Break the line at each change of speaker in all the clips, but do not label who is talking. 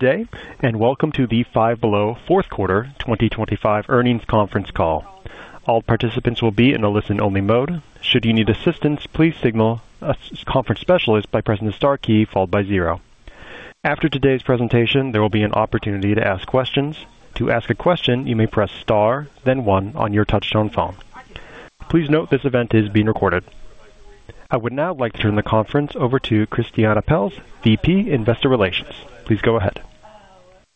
Good day, and welcome to the Five Below Fourth Quarter 2025 Earnings Conference Call. All participants will be in a listen-only mode. Should you need assistance, please signal a conference specialist by pressing the star key followed by zero. After today's presentation, there will be an opportunity to ask questions. To ask a question, you may press star, then one on your touchtone phone. Please note this event is being recorded. I would now like to turn the conference over to Christiane Pelz, VP, Investor Relations. Please go ahead.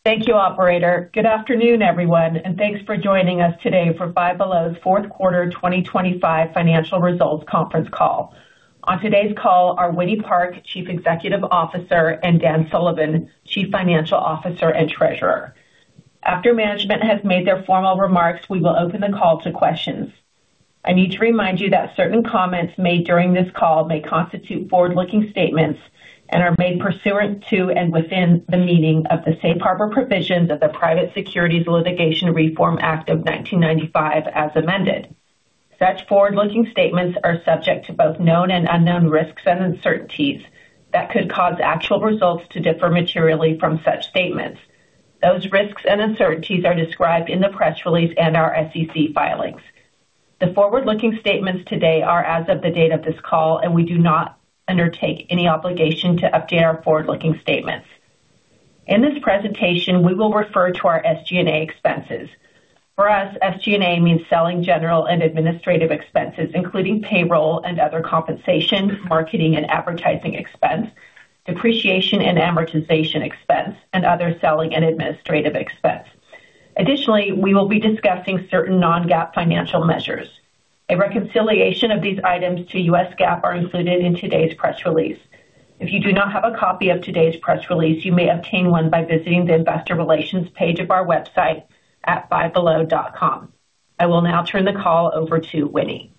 Thank you, operator. Good afternoon, everyone, and thanks for joining us today for Five Below's fourth quarter 2025 financial results conference call. On today's call are Winnie Park, Chief Executive Officer, and Dan Sullivan, Chief Financial Officer and Treasurer. After management has made their formal remarks, we will open the call to questions. I need to remind you that certain comments made during this call may constitute forward-looking statements and are made pursuant to and within the meaning of the safe harbor provisions of the Private Securities Litigation Reform Act of 1995 as amended. Such forward-looking statements are subject to both known and unknown risks and uncertainties that could cause actual results to differ materially from such statements. Those risks and uncertainties are described in the press release and our SEC filings. The forward-looking statements today are as of the date of this call, and we do not undertake any obligation to update our forward-looking statements. In this presentation, we will refer to our SG&A expenses. For us, SG&A means selling, general and administrative expenses, including payroll and other compensation, marketing and advertising expense, depreciation and amortization expense, and other selling and administrative expense. Additionally, we will be discussing certain non-GAAP financial measures. A reconciliation of these items to U.S. GAAP are included in today's press release. If you do not have a copy of today's press release, you may obtain one by visiting the investor relations page of our website at fivebelow.com. I will now turn the call over to Winnie.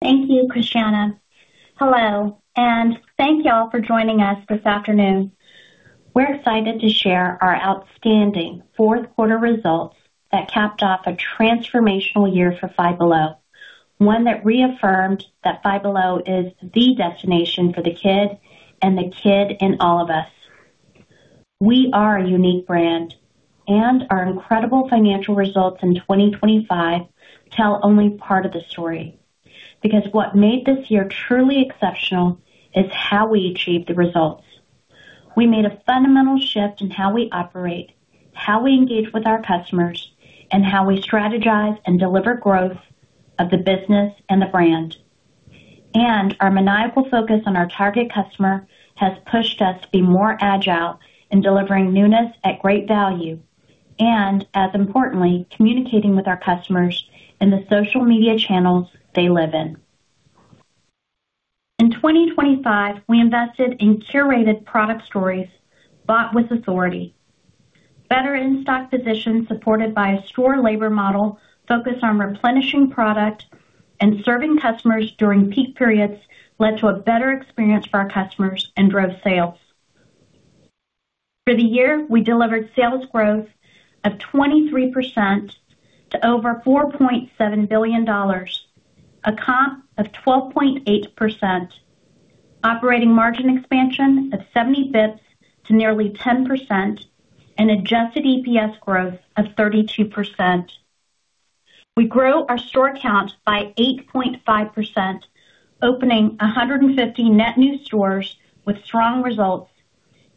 Thank you, Christiane. Hello, and thank you all for joining us this afternoon. We're excited to share our outstanding fourth quarter results that capped off a transformational year for Five Below, one that reaffirmed that Five Below is the destination for the kid and the kid in all of us. We are a unique brand, and our incredible financial results in 2025 tell only part of the story. Because what made this year truly exceptional is how we achieved the results. We made a fundamental shift in how we operate, how we engage with our customers, and how we strategize and deliver growth of the business and the brand. Our maniacal focus on our target customer has pushed us to be more agile in delivering newness at great value and, as importantly, communicating with our customers in the social media channels they live in. In 2025, we invested in curated product stories bought with authority. Better in-stock positions, supported by a store labor model focused on replenishing product and serving customers during peak periods led to a better experience for our customers and drove sales. For the year, we delivered sales growth of 23% to over $4.7 billion, a comp of 12.8%, operating margin expansion of 75 basis points to nearly 10%, and adjusted EPS growth of 32%. We grew our store count by 8.5%, opening 150 net new stores with strong results,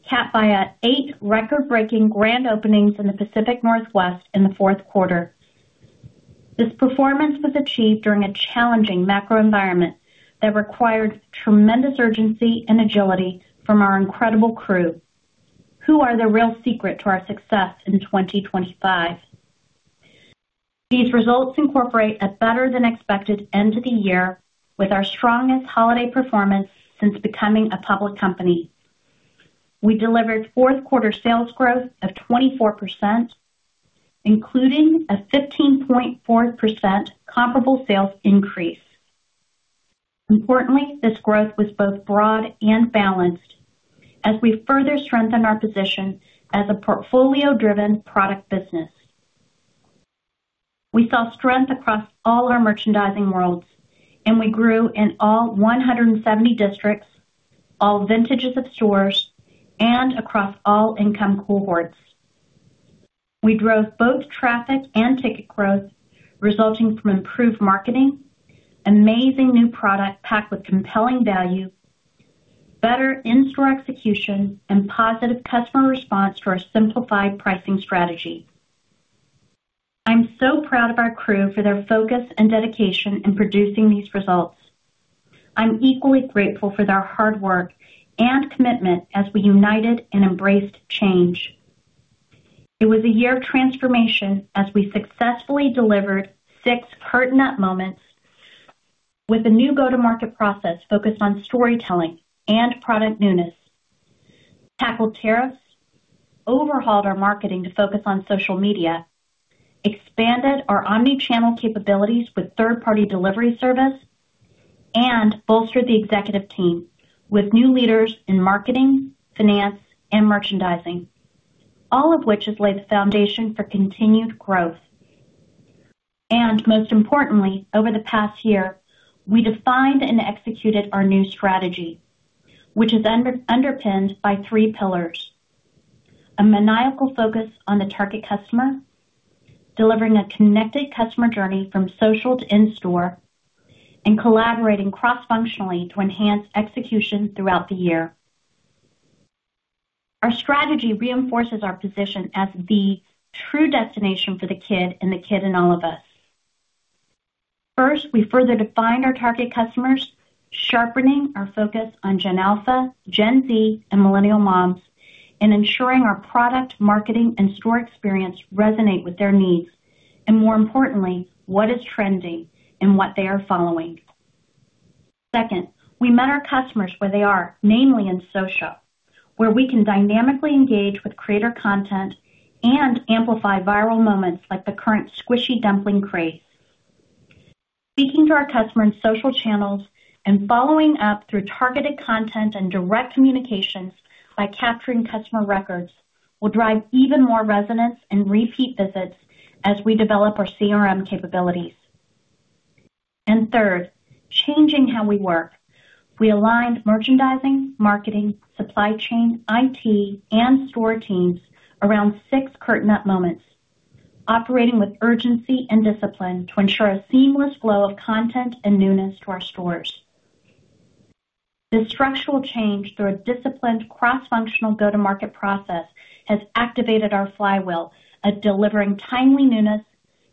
capped by eight record-breaking grand openings in the Pacific Northwest in the fourth quarter. This performance was achieved during a challenging macro environment that required tremendous urgency and agility from our incredible crew, who are the real secret to our success in 2025. These results incorporate a better than expected end to the year with our strongest holiday performance since becoming a public company. We delivered fourth quarter sales growth of 24%, including a 15.4% comparable sales increase. Importantly, this growth was both broad and balanced as we further strengthened our position as a portfolio-driven product business. We saw strength across all our merchandising worlds, and we grew in all 170 districts, all vintages of stores, and across all income cohorts. We drove both traffic and ticket growth resulting from improved marketing, amazing new product packed with compelling value, better in-store execution, and positive customer response to our simplified pricing strategy. I'm so proud of our crew for their focus and dedication in producing these results. I'm equally grateful for their hard work and commitment as we united and embraced change. It was a year of transformation as we successfully delivered six curtain up moments with a new go-to-market process focused on storytelling and product newness, tackled tariffs, overhauled our marketing to focus on social media, expanded our omni-channel capabilities with third-party delivery service, and bolstered the executive team with new leaders in marketing, finance, and merchandising, all of which has laid the foundation for continued growth. Most importantly, over the past year, we defined and executed our new strategy, which is underpinned by three pillars: a maniacal focus on the target customer, delivering a connected customer journey from social to in-store, and collaborating cross-functionally to enhance execution throughout the year. Our strategy reinforces our position as the true destination for the kid and the kid in all of us. First, we further defined our target customers, sharpening our focus on Gen Alpha, Gen Z, and millennial moms, and ensuring our product marketing and store experience resonate with their needs, and more importantly, what is trending and what they are following. Second, we met our customers where they are, namely in social, where we can dynamically engage with creator content and amplify viral moments like the current squishy dumpling craze. Speaking to our customers' social channels and following up through targeted content and direct communications by capturing customer records will drive even more resonance and repeat visits as we develop our CRM capabilities. Third, changing how we work. We aligned merchandising, marketing, supply chain, IT, and store teams around six curtain up moments, operating with urgency and discipline to ensure a seamless flow of content and newness to our stores. This structural change through a disciplined cross-functional go-to-market process has activated our flywheel of delivering timely newness,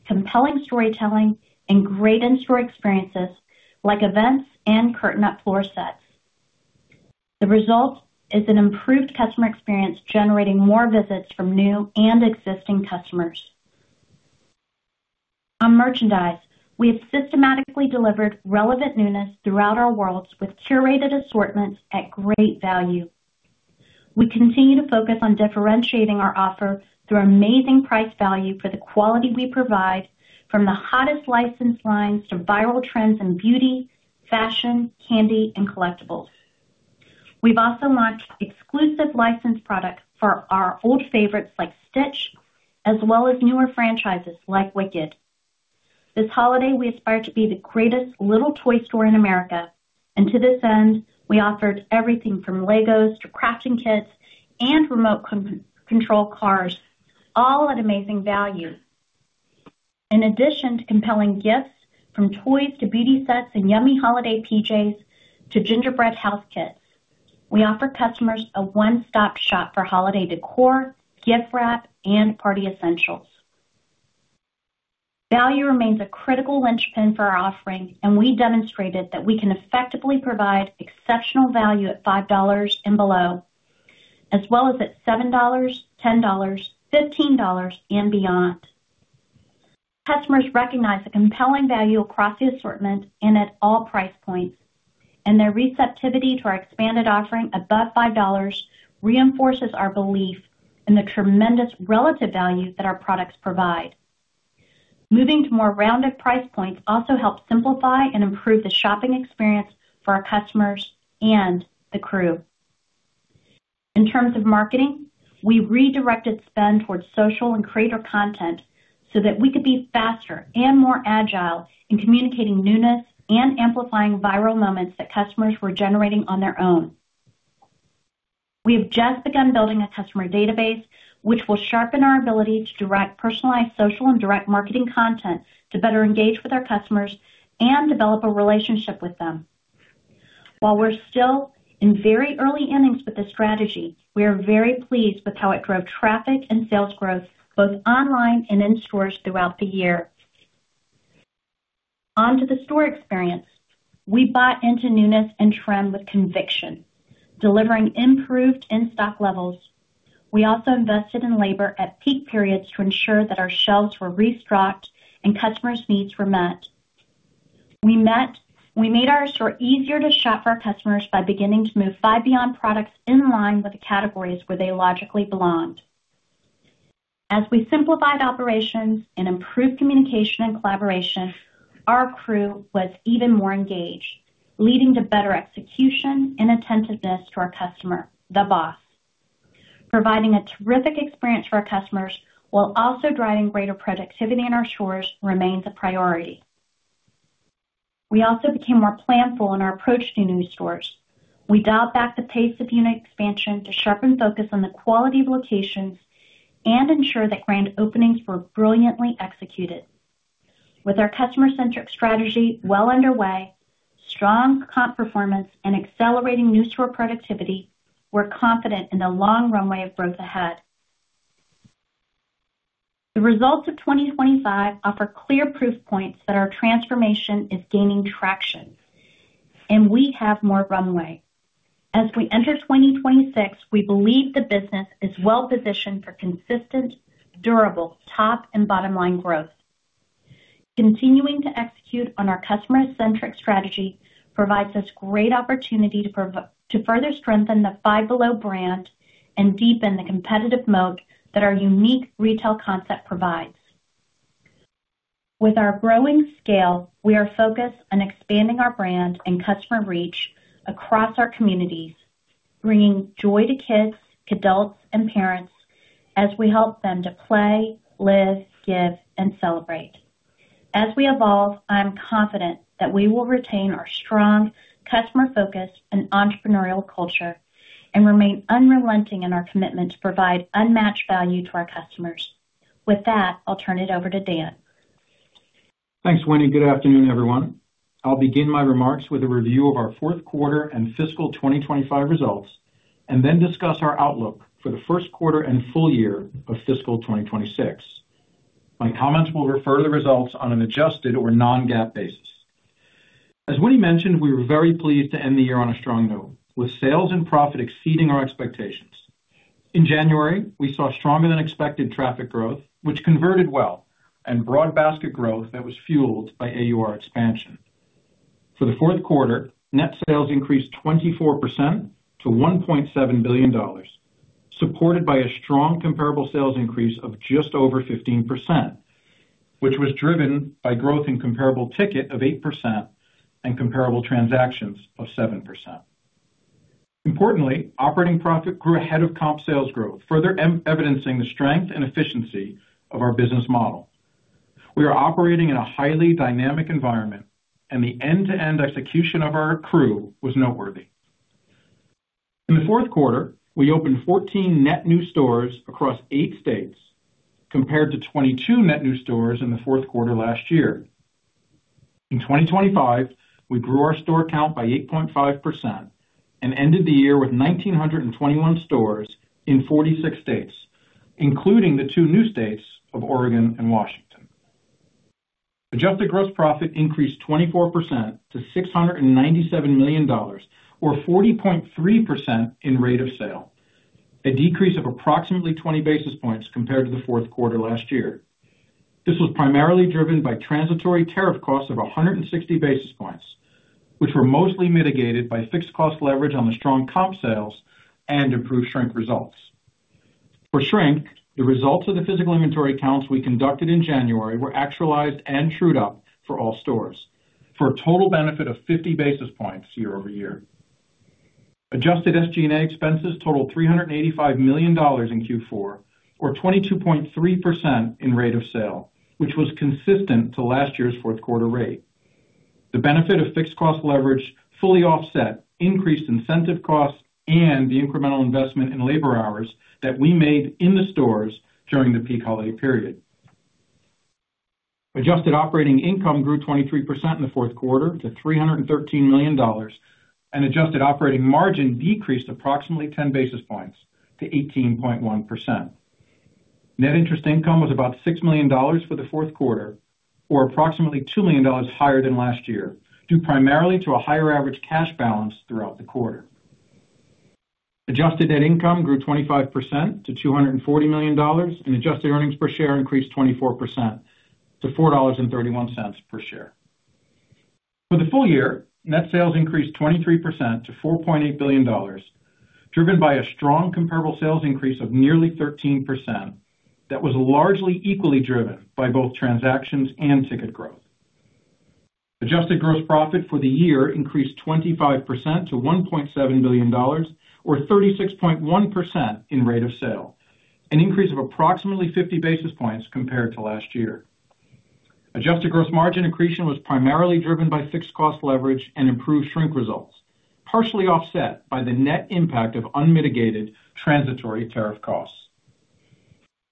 compelling storytelling, and great in-store experiences like events and curtain up floor sets. The result is an improved customer experience, generating more visits from new and existing customers. On merchandise, we have systematically delivered relevant newness throughout our worlds with curated assortments at great value. We continue to focus on differentiating our offer through amazing price value for the quality we provide from the hottest licensed lines to viral trends in beauty, fashion, candy, and collectibles. We've also launched exclusive licensed products for our old favorites like Stitch, as well as newer franchises like Wicked. This holiday, we aspire to be the greatest little toy store in America. To this end, we offered everything from LEGO to crafting kits and remote control cars, all at amazing value. In addition to compelling gifts, from toys to beauty sets and yummy holiday PJs to gingerbread house kits, we offer customers a one-stop shop for holiday decor, gift wrap, and party essentials. Value remains a critical linchpin for our offering, and we demonstrated that we can effectively provide exceptional value at $5 and below, as well as at $7, $10, $15, and beyond. Customers recognize the compelling value across the assortment and at all price points, and their receptivity to our expanded offering above $5 reinforces our belief in the tremendous relative value that our products provide. Moving to more rounded price points also helps simplify and improve the shopping experience for our customers and the crew. In terms of marketing, we redirected spend towards social and creator content so that we could be faster and more agile in communicating newness and amplifying viral moments that customers were generating on their own. We have just begun building a customer database, which will sharpen our ability to direct personalized social and direct marketing content to better engage with our customers and develop a relationship with them. While we're still in very early innings with this strategy, we are very pleased with how it drove traffic and sales growth both online and in stores throughout the year. On to the store experience. We bought into newness and trend with conviction, delivering improved in-stock levels. We also invested in labor at peak periods to ensure that our shelves were restocked and customers' needs were met. We made our store easier to shop for our customers by beginning to move Five Beyond products in line with the categories where they logically belonged. As we simplified operations and improved communication and collaboration, our crew was even more engaged, leading to better execution and attentiveness to our customer, the boss. Providing a terrific experience for our customers while also driving greater productivity in our stores remains a priority. We also became more planful in our approach to new stores. We dialed back the pace of unit expansion to sharpen focus on the quality of locations and ensure that grand openings were brilliantly executed. With our customer-centric strategy well underway, strong comp performance, and accelerating new store productivity, we're confident in the long runway of growth ahead. The results of 2025 offer clear proof points that our transformation is gaining traction, and we have more runway. As we enter 2026, we believe the business is well-positioned for consistent, durable, top and bottom-line growth. Continuing to execute on our customer-centric strategy provides us great opportunity to further strengthen the Five Below brand and deepen the competitive moat that our unique retail concept provides. With our growing scale, we are focused on expanding our brand and customer reach across our communities. Bringing joy to kids, adults, and parents as we help them to play, live, give, and celebrate. As we evolve, I am confident that we will retain our strong customer focus and entrepreneurial culture and remain unrelenting in our commitment to provide unmatched value to our customers. With that, I'll turn it over to Dan.
Thanks, Winnie. Good afternoon, everyone. I'll begin my remarks with a review of our fourth quarter and fiscal 2025 results, and then discuss our outlook for the first quarter and full year of fiscal 2026. My comments will refer to the results on an adjusted or non-GAAP basis. As Winnie mentioned, we were very pleased to end the year on a strong note, with sales and profit exceeding our expectations. In January, we saw stronger than expected traffic growth, which converted well and broad basket growth that was fueled by AUR expansion. For the fourth quarter, net sales increased 24% to $1.7 billion, supported by a strong comparable sales increase of just over 15%, which was driven by growth in comparable ticket of 8% and comparable transactions of 7%. Importantly, operating profit grew ahead of comp sales growth, further evidencing the strength and efficiency of our business model. We are operating in a highly dynamic environment and the end-to-end execution of our crew was noteworthy. In the fourth quarter, we opened 14 net new stores across eight states compared to 22 net new stores in the fourth quarter last year. In 2025, we grew our store count by 8.5% and ended the year with 1,921 stores in 46 states, including the two new states of Oregon and Washington. Adjusted gross profit increased 24% to $697 million or 40.3% in rate of sale, a decrease of approximately 20 basis points compared to the fourth quarter last year. This was primarily driven by transitory tariff costs of 160 basis points, which were mostly mitigated by fixed cost leverage on the strong comp sales and improved shrink results. For shrink, the results of the physical inventory counts we conducted in January were actualized and trued up for all stores for a total benefit of 50 basis points year-over-year. Adjusted SG&A expenses totaled $385 million in Q4 or 22.3% in rate of sale, which was consistent to last year's fourth quarter rate. The benefit of fixed cost leverage fully offset increased incentive costs and the incremental investment in labor hours that we made in the stores during the peak holiday period. Adjusted operating income grew 23% in the fourth quarter to $313 million, and adjusted operating margin decreased approximately 10 basis points to 18.1%. Net interest income was about $6 million for the fourth quarter or approximately $2 million higher than last year, due primarily to a higher average cash balance throughout the quarter. Adjusted net income grew 25% to $240 million, and adjusted earnings per share increased 24% to $4.31 per share. For the full year, net sales increased 23% to $4.8 billion, driven by a strong comparable sales increase of nearly 13%. That was largely equally driven by both transactions and ticket growth. Adjusted gross profit for the year increased 25% to $1.7 billion or 36.1% in rate of sale, an increase of approximately 50 basis points compared to last year. Adjusted gross margin accretion was primarily driven by fixed cost leverage and improved shrink results, partially offset by the net impact of unmitigated transitory tariff costs.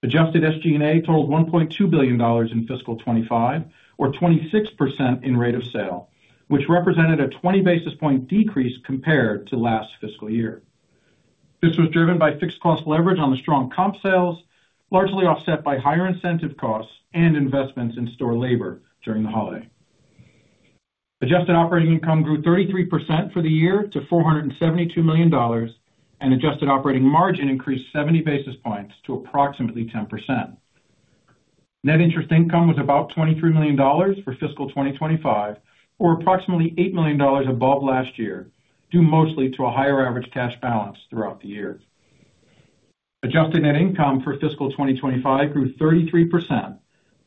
Adjusted SG&A totaled $1.2 billion in fiscal 2025 or 26% in rate of sale, which represented a 20 basis point decrease compared to last fiscal year. This was driven by fixed cost leverage on the strong comp sales, largely offset by higher incentive costs and investments in store labor during the holiday. Adjusted operating income grew 33% for the year to $472 million, and adjusted operating margin increased 70 basis points to approximately 10%. Net interest income was about $23 million for fiscal 2025 or approximately $8 million above last year, due mostly to a higher average cash balance throughout the year. Adjusted net income for fiscal 2025 grew 33%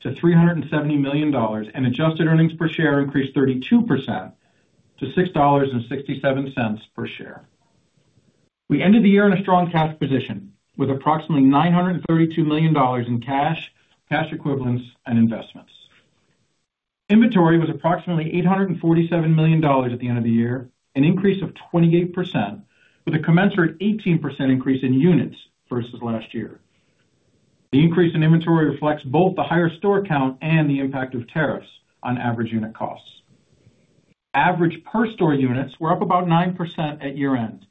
to $370 million, and adjusted earnings per share increased 32% to $6.67 per share. We ended the year in a strong cash position with approximately $932 million in cash equivalents, and investments. Inventory was approximately $847 million at the end of the year, an increase of 28% with a commensurate 18% increase in units versus last year. The increase in inventory reflects both the higher store count and the impact of tariffs on average unit costs. Average per store units were up about 9% at year-end,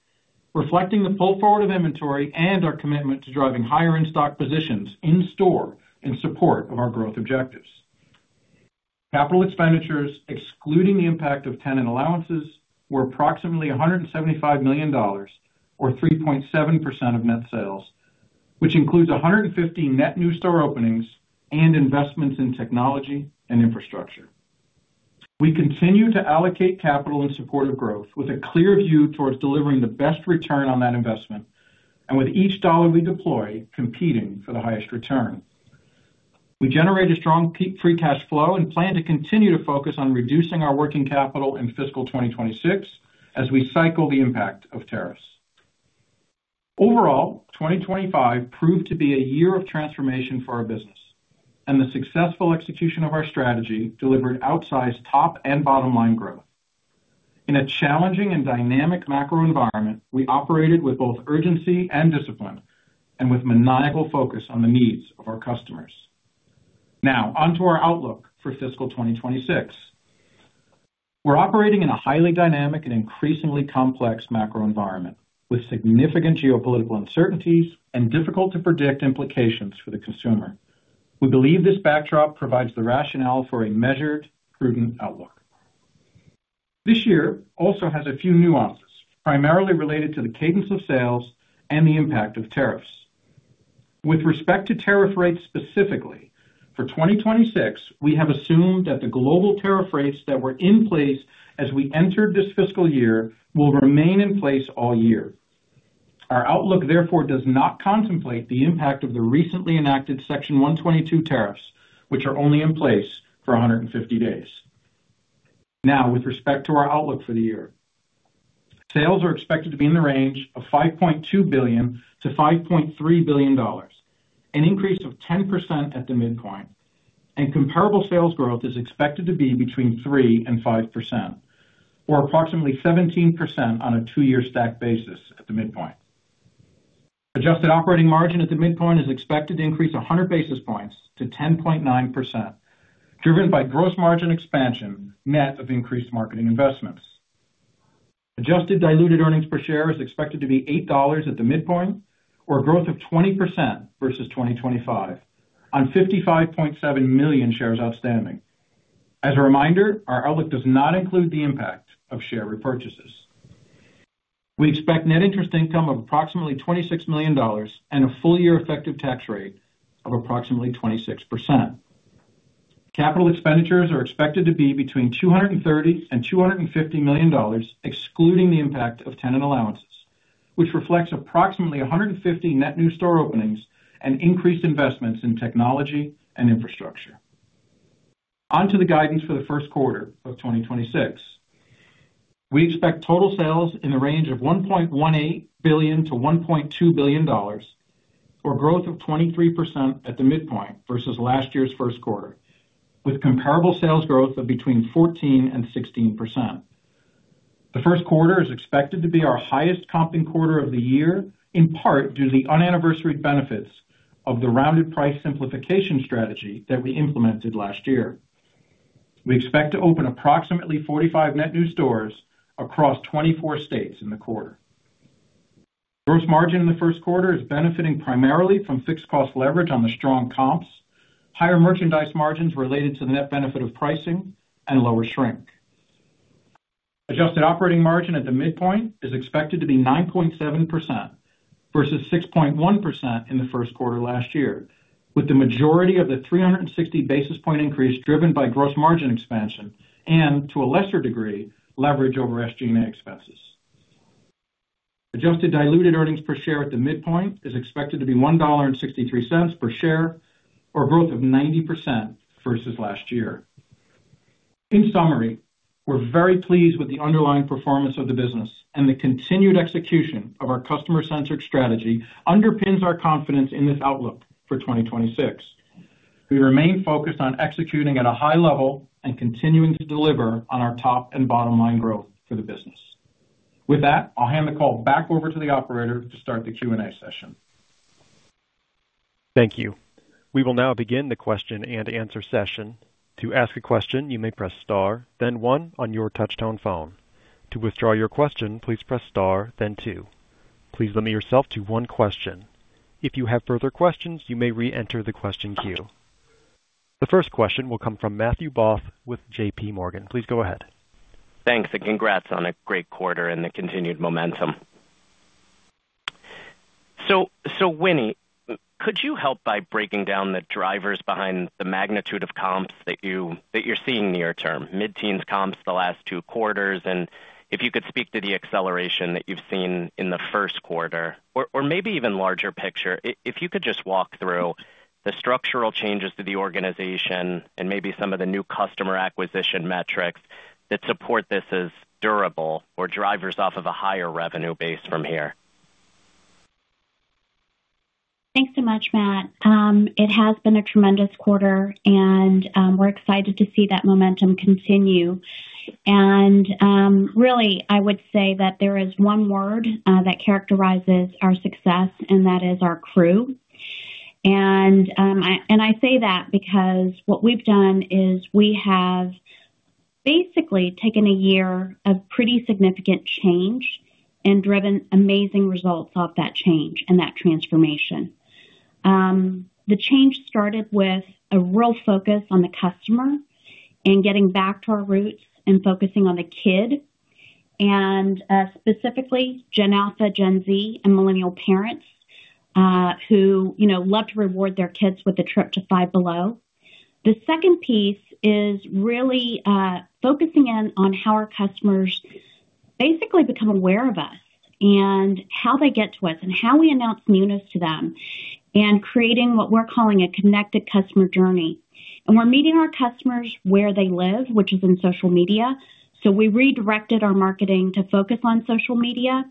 reflecting the pull forward of inventory and our commitment to driving higher in-stock positions in store in support of our growth objectives. Capital expenditures, excluding the impact of tenant allowances, were approximately $175 million or 3.7% of net sales, which includes 150 net new store openings and investments in technology and infrastructure. We continue to allocate capital in support of growth with a clear view towards delivering the best return on that investment and with each dollar we deploy competing for the highest return. We generated strong peak free cash flow and plan to continue to focus on reducing our working capital in fiscal 2026 as we cycle the impact of tariffs. Overall, 2025 proved to be a year of transformation for our business, and the successful execution of our strategy delivered outsized top and bottom line growth. In a challenging and dynamic macro environment, we operated with both urgency and discipline and with maniacal focus on the needs of our customers. Now on to our outlook for fiscal 2026. We're operating in a highly dynamic and increasingly complex macro environment with significant geopolitical uncertainties and difficult to predict implications for the consumer. We believe this backdrop provides the rationale for a measured, prudent outlook. This year also has a few nuances, primarily related to the cadence of sales and the impact of tariffs. With respect to tariff rates specifically, for 2026, we have assumed that the global tariff rates that were in place as we entered this fiscal year will remain in place all year. Our outlook, therefore, does not contemplate the impact of the recently enacted Section 122 tariffs, which are only in place for 150 days. Now, with respect to our outlook for the year, sales are expected to be in the range of $5.2 billion-$5.3 billion, an increase of 10% at the midpoint, and comparable sales growth is expected to be between 3% and 5%, or approximately 17% on a two-year stack basis at the midpoint. Adjusted operating margin at the midpoint is expected to increase 100 basis points to 10.9%, driven by gross margin expansion net of increased marketing investments. Adjusted diluted earnings per share is expected to be $8 at the midpoint, or a growth of 20% versus 2025 on 55.7 million shares outstanding. As a reminder, our outlook does not include the impact of share repurchases. We expect net interest income of approximately $26 million and a full year effective tax rate of approximately 26%. Capital expenditures are expected to be between $230 million and $250 million, excluding the impact of tenant allowances, which reflects approximately 150 net new store openings and increased investments in technology and infrastructure. Onto the guidance for the first quarter of 2026. We expect total sales in the range of $1.18 billion-$1.2 billion, or growth of 23% at the midpoint versus last year's first quarter, with comparable sales growth of between 14% and 16%. The first quarter is expected to be our highest comping quarter of the year, in part due to the unanniversary benefits of the rounded price simplification strategy that we implemented last year. We expect to open approximately 45 net new stores across 24 states in the quarter. Gross margin in the first quarter is benefiting primarily from fixed cost leverage on the strong comps, higher merchandise margins related to the net benefit of pricing, and lower shrink. Adjusted operating margin at the midpoint is expected to be 9.7% versus 6.1% in the first quarter last year, with the majority of the 360 basis point increase driven by gross margin expansion and to a lesser degree, leverage over SG&A expenses. Adjusted diluted earnings per share at the midpoint is expected to be $1.63 per share, or 90% growth versus last year. In summary, we're very pleased with the underlying performance of the business and the continued execution of our customer-centric strategy underpins our confidence in this outlook for 2026. We remain focused on executing at a high level and continuing to deliver on our top and bottom line growth for the business. With that, I'll hand the call back over to the operator to start the Q&A session.
Thank you. We will now begin the Q&A session. To ask a question, you may press star, then one on your touchtone phone. To withdraw your question, please press star, then two. Please limit yourself to one question. If you have further questions, you may re-enter the question queue. The first question will come from Matthew Boss with JPMorgan. Please go ahead.
Thanks, and congrats on a great quarter and the continued momentum. Winnie, could you help by breaking down the drivers behind the magnitude of comps that you're seeing near term, mid-teens comps the last two quarters, and if you could speak to the acceleration that you've seen in the first quarter or maybe even larger picture, if you could just walk through the structural changes to the organization and maybe some of the new customer acquisition metrics that support this as durable or drivers off of a higher revenue base from here.
Thanks so much, Matt. It has been a tremendous quarter and, we're excited to see that momentum continue. Really, I would say that there is one word that characterizes our success, and that is our crew. I say that because what we've done is we have basically taken a year of pretty significant change and driven amazing results off that change and that transformation. The change started with a real focus on the customer and getting back to our roots and focusing on the kid and, specifically Gen Alpha, Gen Z and millennial parents, who, you know, love to reward their kids with a trip to Five Below. The second piece is really focusing in on how our customers basically become aware of us and how they get to us and how we announce newness to them, and creating what we're calling a connected customer journey. We're meeting our customers where they live, which is in social media. We redirected our marketing to focus on social media.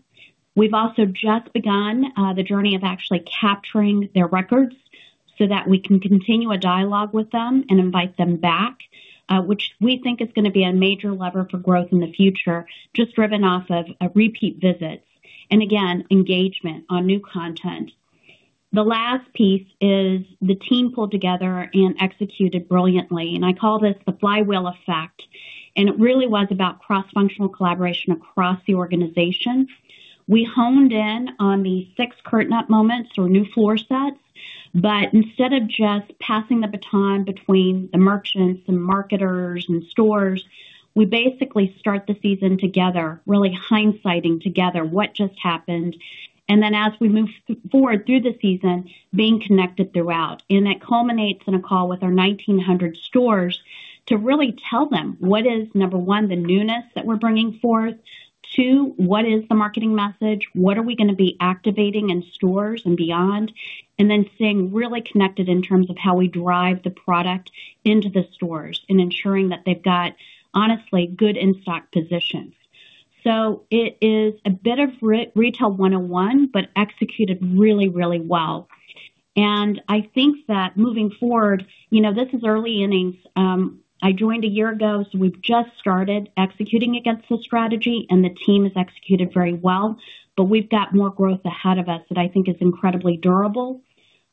We've also just begun the journey of actually capturing their records so that we can continue a dialogue with them and invite them back, which we think is gonna be a major lever for growth in the future, just driven off of repeat visits, and again, engagement on new content. The last piece is the team pulled together and executed brilliantly. I call this the flywheel effect, and it really was about cross-functional collaboration across the organization. We honed in on the six curtain up moments or new floor sets, but instead of just passing the baton between the merchants and marketers and stores, we basically start the season together, really hindsighting together what just happened. Then as we move forward through the season, being connected throughout. It culminates in a call with our 1,900 stores to really tell them what is, number one, the newness that we're bringing forth. Two, what is the marketing message? What are we gonna be activating in stores and beyond? Then staying really connected in terms of how we drive the product into the stores and ensuring that they've got honestly good in-stock positions. It is a bit of retail one-on-one, but executed really, really well. I think that moving forward, you know, this is early innings. I joined a year ago, so we've just started executing against this strategy and the team has executed very well. We've got more growth ahead of us that I think is incredibly durable.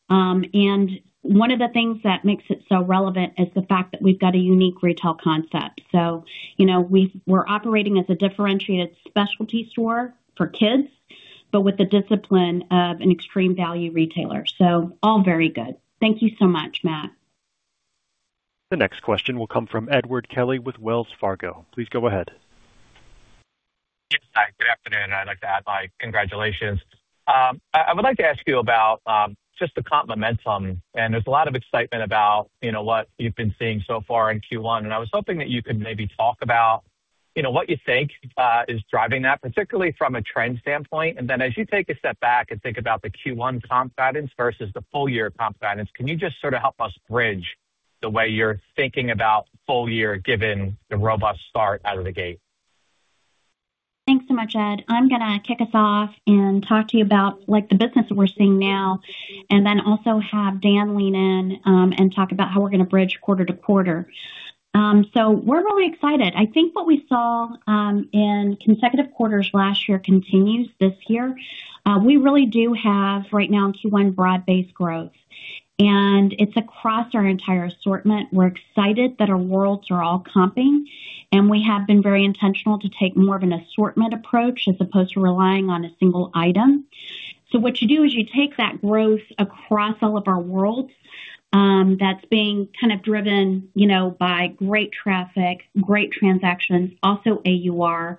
One of the things that makes it so relevant is the fact that we've got a unique retail concept. You know, we're operating as a differentiated specialty store for kids, but with the discipline of an extreme value retailer. All very good. Thank you so much, Matt.
The next question will come from Edward Kelly with Wells Fargo. Please go ahead.
Yes. Hi, good afternoon. I'd like to add my congratulations. I would like to ask you about just the comp momentum, and there's a lot of excitement about, you know, what you've been seeing so far in Q1, and I was hoping that you could maybe talk about, you know, what you think is driving that, particularly from a trend standpoint. As you take a step back and think about the Q1 comp guidance versus the full year comp guidance, can you just sort of help us bridge the way you're thinking about full year given the robust start out of the gate?
Thanks so much, Ed. I'm gonna kick us off and talk to you about like the business that we're seeing now, and then also have Dan lean in, and talk about how we're gonna bridge quarter to quarter. We're really excited. I think what we saw in consecutive quarters last year continues this year. We really do have right now in Q1 broad-based growth, and it's across our entire assortment. We're excited that our worlds are all comping, and we have been very intentional to take more of an assortment approach as opposed to relying on a single item. What you do is you take that growth across all of our worlds, that's being kind of driven, you know, by great traffic, great transactions, also AUR.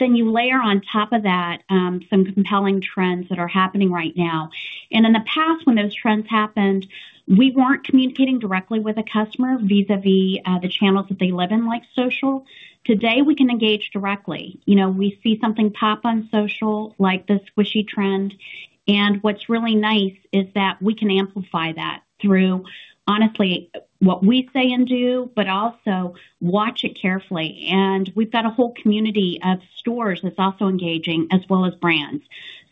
You layer on top of that, some compelling trends that are happening right now. In the past, when those trends happened, we weren't communicating directly with a customer vis-à-vis, the channels that they live in, like social. Today, we can engage directly. You know, we see something pop on social, like the squishy trend. What's really nice is that we can amplify that through, honestly, what we say and do, but also watch it carefully. We've got a whole community of stores that's also engaging as well as brands.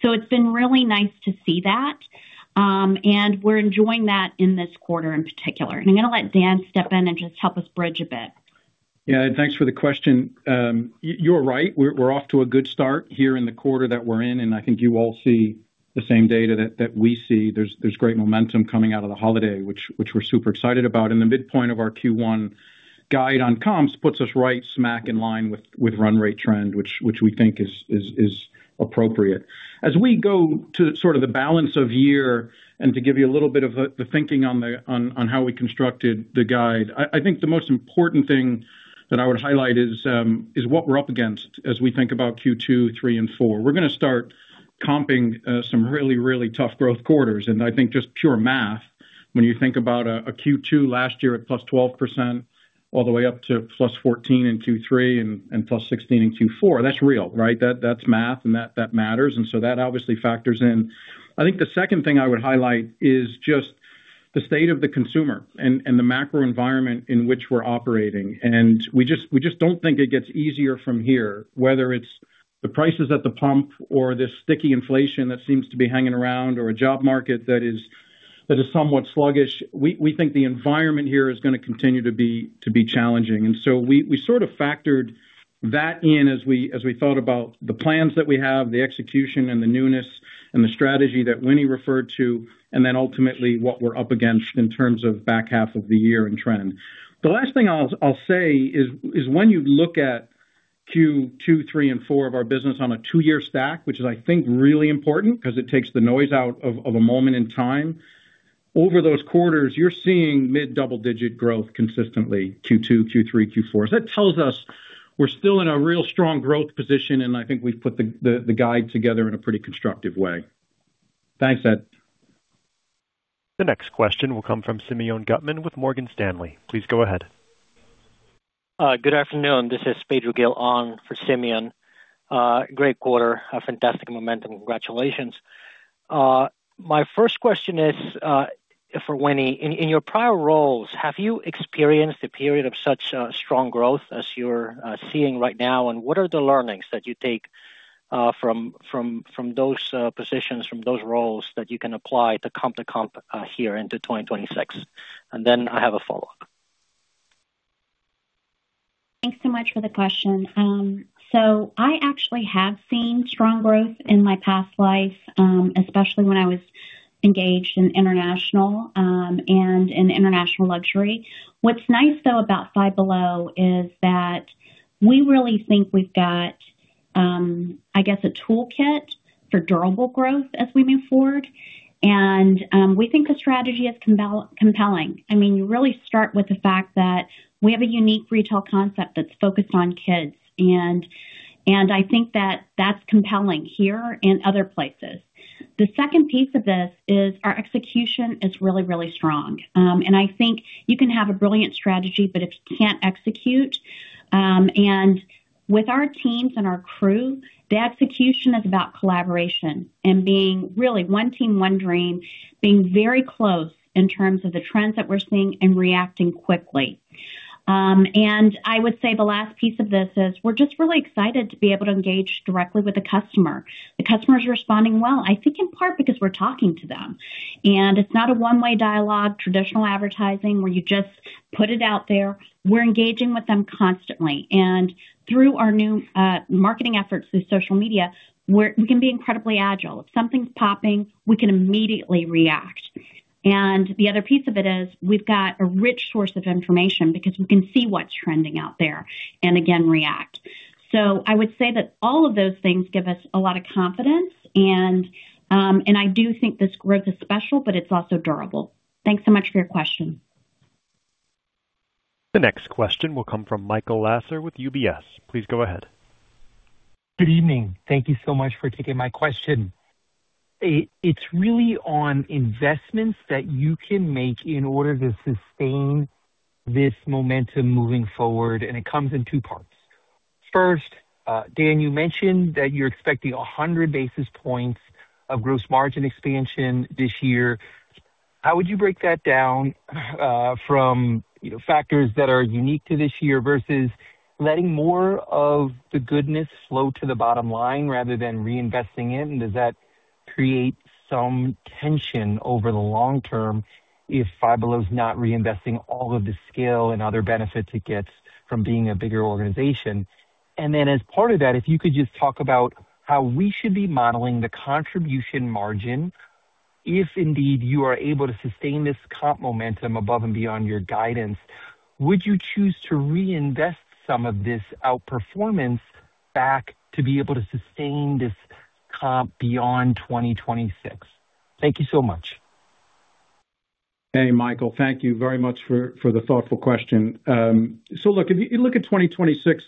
It's been really nice to see that. We're enjoying that in this quarter in particular. I'm gonna let Dan step in and just help us bridge a bit.
Yeah. Thanks for the question. You're right. We're off to a good start here in the quarter that we're in, and I think you all see the same data that we see. There's great momentum coming out of the holiday, which we're super excited about. The midpoint of our Q1 guide on comps puts us right smack in line with run rate trend, which we think is appropriate. As we go to sort of the balance of the year and to give you a little bit of the thinking on how we constructed the guide, I think the most important thing that I would highlight is what we're up against as we think about Q2, Q3 and Q4. We're gonna start comping some really tough growth quarters. I think just pure math, when you think about a Q2 last year at +12% all the way up to +14% in Q3 and +16% in Q4, that's real, right? That's math, and that matters. That obviously factors in. I think the second thing I would highlight is just the state of the consumer and the macro environment in which we're operating. We just don't think it gets easier from here, whether it's the prices at the pump or this sticky inflation that seems to be hanging around or a job market that is somewhat sluggish. We think the environment here is gonna continue to be challenging. We sort of factored that in as we thought about the plans that we have, the execution and the newness and the strategy that Winnie referred to, and then ultimately what we're up against in terms of back half of the year and trend. The last thing I'll say is when you look at Q2, Q3 and Q4 of our business on a two-year stack, which I think is really important because it takes the noise out of a moment in time. Over those quarters, you're seeing mid-double digit growth consistently, Q2, Q3, Q4. That tells us we're still in a real strong growth position, and I think we've put the guide together in a pretty constructive way. Thanks, Ed.
The next question will come from Simeon Gutman with Morgan Stanley. Please go ahead.
Good afternoon. This is Pedro Gil on for Simeon Gutman. Great quarter, a fantastic momentum. Congratulations. My first question is for Winnie Park. In your prior roles, have you experienced a period of such strong growth as you're seeing right now? What are the learnings that you take from those positions, from those roles that you can apply to comp here into 2026? I have a follow-up.
Thanks so much for the question. I actually have seen strong growth in my past life, especially when I was engaged in international, and in international luxury. What's nice, though, about Five Below is that we really think we've got, I guess, a toolkit for durable growth as we move forward. We think the strategy is compelling. I mean, you really start with the fact that we have a unique retail concept that's focused on kids, and I think that that's compelling here and other places. The second piece of this is our execution is really, really strong. I think you can have a brilliant strategy, but if you can't execute. With our teams and our crew, the execution is about collaboration and being really one team, one dream, being very close in terms of the trends that we're seeing and reacting quickly. I would say the last piece of this is we're just really excited to be able to engage directly with the customer. The customer is responding well, I think, in part because we're talking to them. It's not a one-way dialogue, traditional advertising, where you just put it out there. We're engaging with them constantly. Through our new marketing efforts, through social media, we can be incredibly agile. If something's popping, we can immediately react. The other piece of it is we've got a rich source of information because we can see what's trending out there, and again, react. I would say that all of those things give us a lot of confidence, and I do think this growth is special, but it's also durable. Thanks so much for your question.
The next question will come from Michael Lasser with UBS. Please go ahead.
Good evening. Thank you so much for taking my question. It's really on investments that you can make in order to sustain this momentum moving forward, and it comes in two parts. First, Dan, you mentioned that you're expecting 100 basis points of gross margin expansion this year. How would you break that down, from you know, factors that are unique to this year versus letting more of the goodness flow to the bottom line rather than reinvesting it? And does that create some tension over the long term if Five Below is not reinvesting all of the scale and other benefits it gets from being a bigger organization? And then as part of that, if you could just talk about how we should be modeling the contribution margin if indeed you are able to sustain this comp momentum above and beyond your guidance. Would you choose to reinvest some of this outperformance back to be able to sustain this comp beyond 2026? Thank you so much.
Hey, Michael. Thank you very much for the thoughtful question. Look, if you look at 2026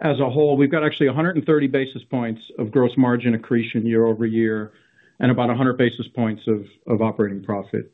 as a whole, we've got actually 130 basis points of gross margin accretion year-over-year and about 100 basis points of operating profit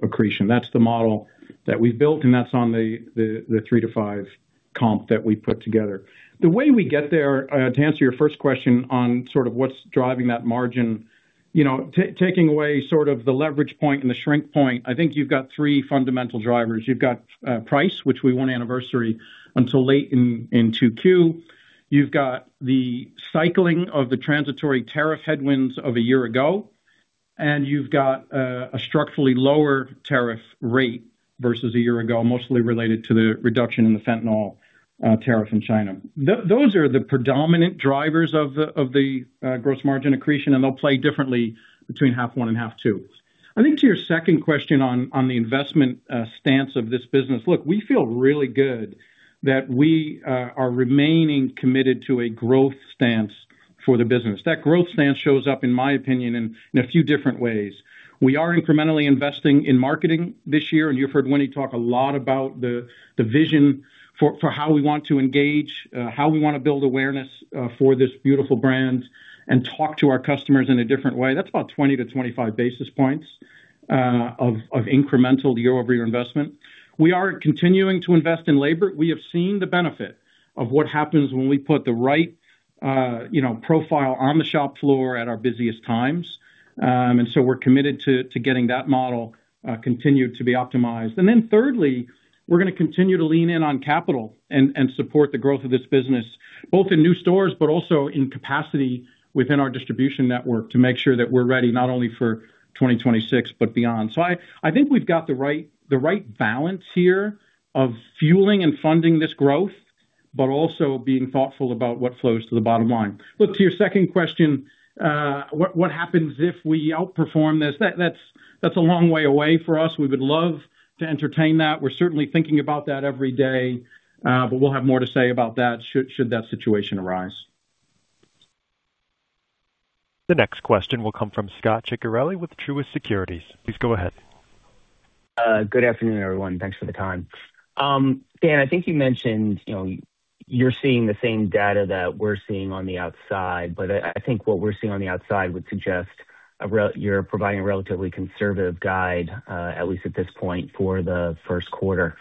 accretion. That's the model that we've built, and that's on the three to five comp that we put together. The way we get there to answer your first question on sort of what's driving that margin, you know, taking away sort of the leverage point and the shrink point, I think you've got three fundamental drivers. You've got price, which we won't anniversary until late in Q2. You've got the cycling of the transitory tariff headwinds of a year ago. You've got a structurally lower tariff rate versus a year ago, mostly related to the reduction in the fentanyl tariff in China. Those are the predominant drivers of the gross margin accretion, and they'll play differently between half one and half two. I think to your second question on the investment stance of this business, look, we feel really good that we are remaining committed to a growth stance for the business. That growth stance shows up, in my opinion, in a few different ways. We are incrementally investing in marketing this year, and you've heard Winnie talk a lot about the vision for how we want to engage, how we wanna build awareness, for this beautiful brand and talk to our customers in a different way. That's about 20-25 basis points of incremental year-over-year investment. We are continuing to invest in labor. We have seen the benefit of what happens when we put the right, you know, profile on the shop floor at our busiest times. We're committed to getting that model continued to be optimized. Thirdly, we're gonna continue to lean in on capital and support the growth of this business, both in new stores, but also in capacity within our distribution network to make sure that we're ready not only for 2026 but beyond. I think we've got the right balance here of fueling and funding this growth, but also being thoughtful about what flows to the bottom line. Look, to your second question, what happens if we outperform this? That's a long way away for us. We would love to entertain that. We're certainly thinking about that every day, but we'll have more to say about that should that situation arise.
The next question will come from Scot Ciccarelli with Truist Securities. Please go ahead.
Good afternoon, everyone. Thanks for the time. Dan, I think you mentioned, you know, you're seeing the same data that we're seeing on the outside, but I think what we're seeing on the outside would suggest you're providing a relatively conservative guide, at least at this point, for the first quarter.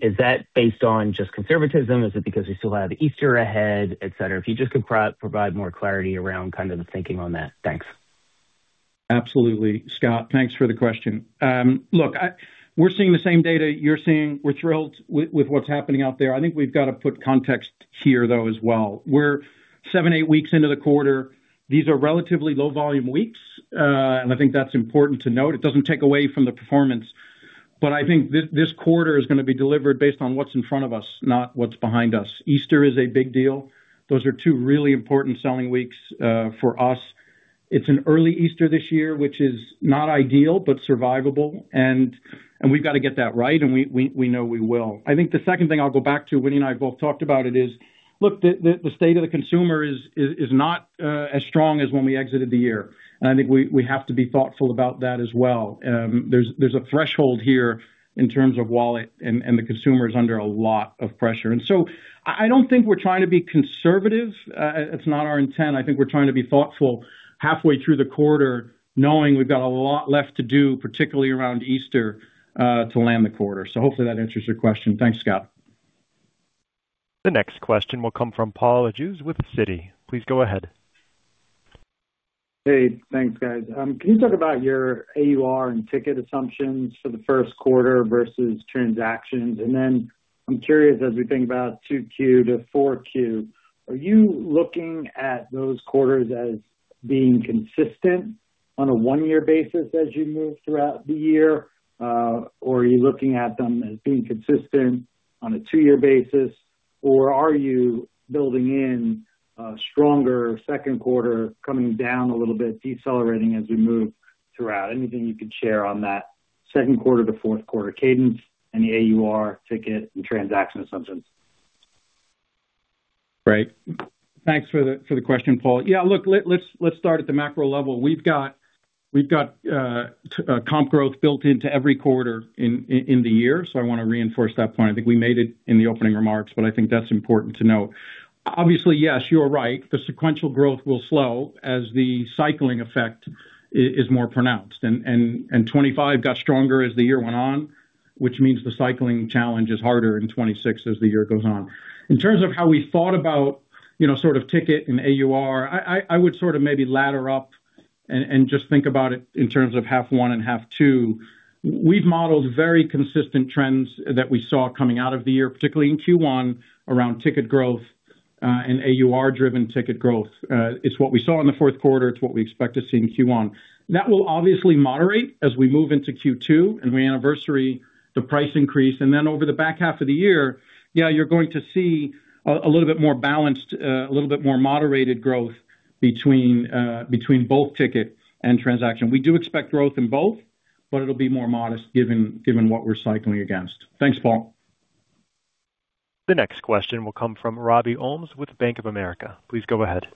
Is that based on just conservatism? Is it because you still have Easter ahead, et cetera? If you just could provide more clarity around kind of the thinking on that? Thanks.
Absolutely. Scot, thanks for the question. Look, we're seeing the same data you're seeing. We're thrilled with what's happening out there. I think we've got to put context here, though, as well. We're seven, eight weeks into the quarter. These are relatively low volume weeks, and I think that's important to note. It doesn't take away from the performance, but I think this quarter is gonna be delivered based on what's in front of us, not what's behind us. Easter is a big deal. Those are two really important selling weeks for us. It's an early Easter this year, which is not ideal, but survivable. We've got to get that right, and we know we will. I think the second thing I'll go back to, Winnie and I both talked about it, is, look, the state of the consumer is not as strong as when we exited the year. I think we have to be thoughtful about that as well. There's a threshold here in terms of wallet, and the consumer is under a lot of pressure. I don't think we're trying to be conservative. It's not our intent. I think we're trying to be thoughtful halfway through the quarter, knowing we've got a lot left to do, particularly around Easter, to land the quarter. Hopefully that answers your question. Thanks, Scot.
The next question will come from Paul Lejuez with Citi. Please go ahead.
Hey, thanks, guys. Can you talk about your AUR and ticket assumptions for the first quarter versus transactions? I'm curious, as we think about Q2 to Q4, are you looking at those quarters as being consistent on a one-year basis as you move throughout the year? Are you looking at them as being consistent on a two-year basis? Are you building in a stronger second quarter, coming down a little bit, decelerating as we move throughout? Anything you can share on that second quarter to fourth quarter cadence and the AUR ticket and transaction assumptions.
Right. Thanks for the question, Paul. Yeah, look, let's start at the macro level. We've got comp growth built into every quarter in the year, so I wanna reinforce that point. I think we made it in the opening remarks, but I think that's important to note. Obviously, yes, you're right, the sequential growth will slow as the cycling effect is more pronounced. 2025 got stronger as the year went on, which means the cycling challenge is harder in 2026 as the year goes on. In terms of how we thought about, you know, sort of ticket and AUR, I would sort of maybe ladder up and just think about it in terms of half one and half two. We've modeled very consistent trends that we saw coming out of the year, particularly in Q1, around ticket growth, and AUR-driven ticket growth. It's what we saw in the fourth quarter. It's what we expect to see in Q1. That will obviously moderate as we move into Q2 and we anniversary the price increase. Over the back half of the year, yeah, you're going to see a little bit more balanced, a little bit more moderated growth between both ticket and transaction. We do expect growth in both, but it'll be more modest given what we're cycling against. Thanks, Paul.
The next question will come from Robby Ohmes with Bank of America. Please go ahead.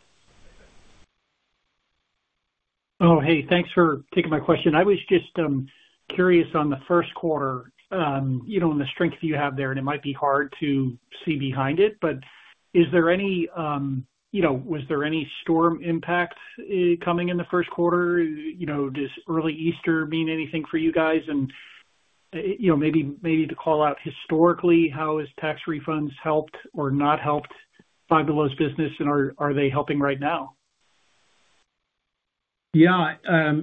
Oh, hey, thanks for taking my question. I was just curious on the first quarter, you know, and the strength you have there, and it might be hard to see behind it, but was there any storm impact coming in the first quarter? You know, does early Easter mean anything for you guys? You know, maybe to call out historically, how has tax refunds helped or not helped Five Below's business and are they helping right now?
Yeah.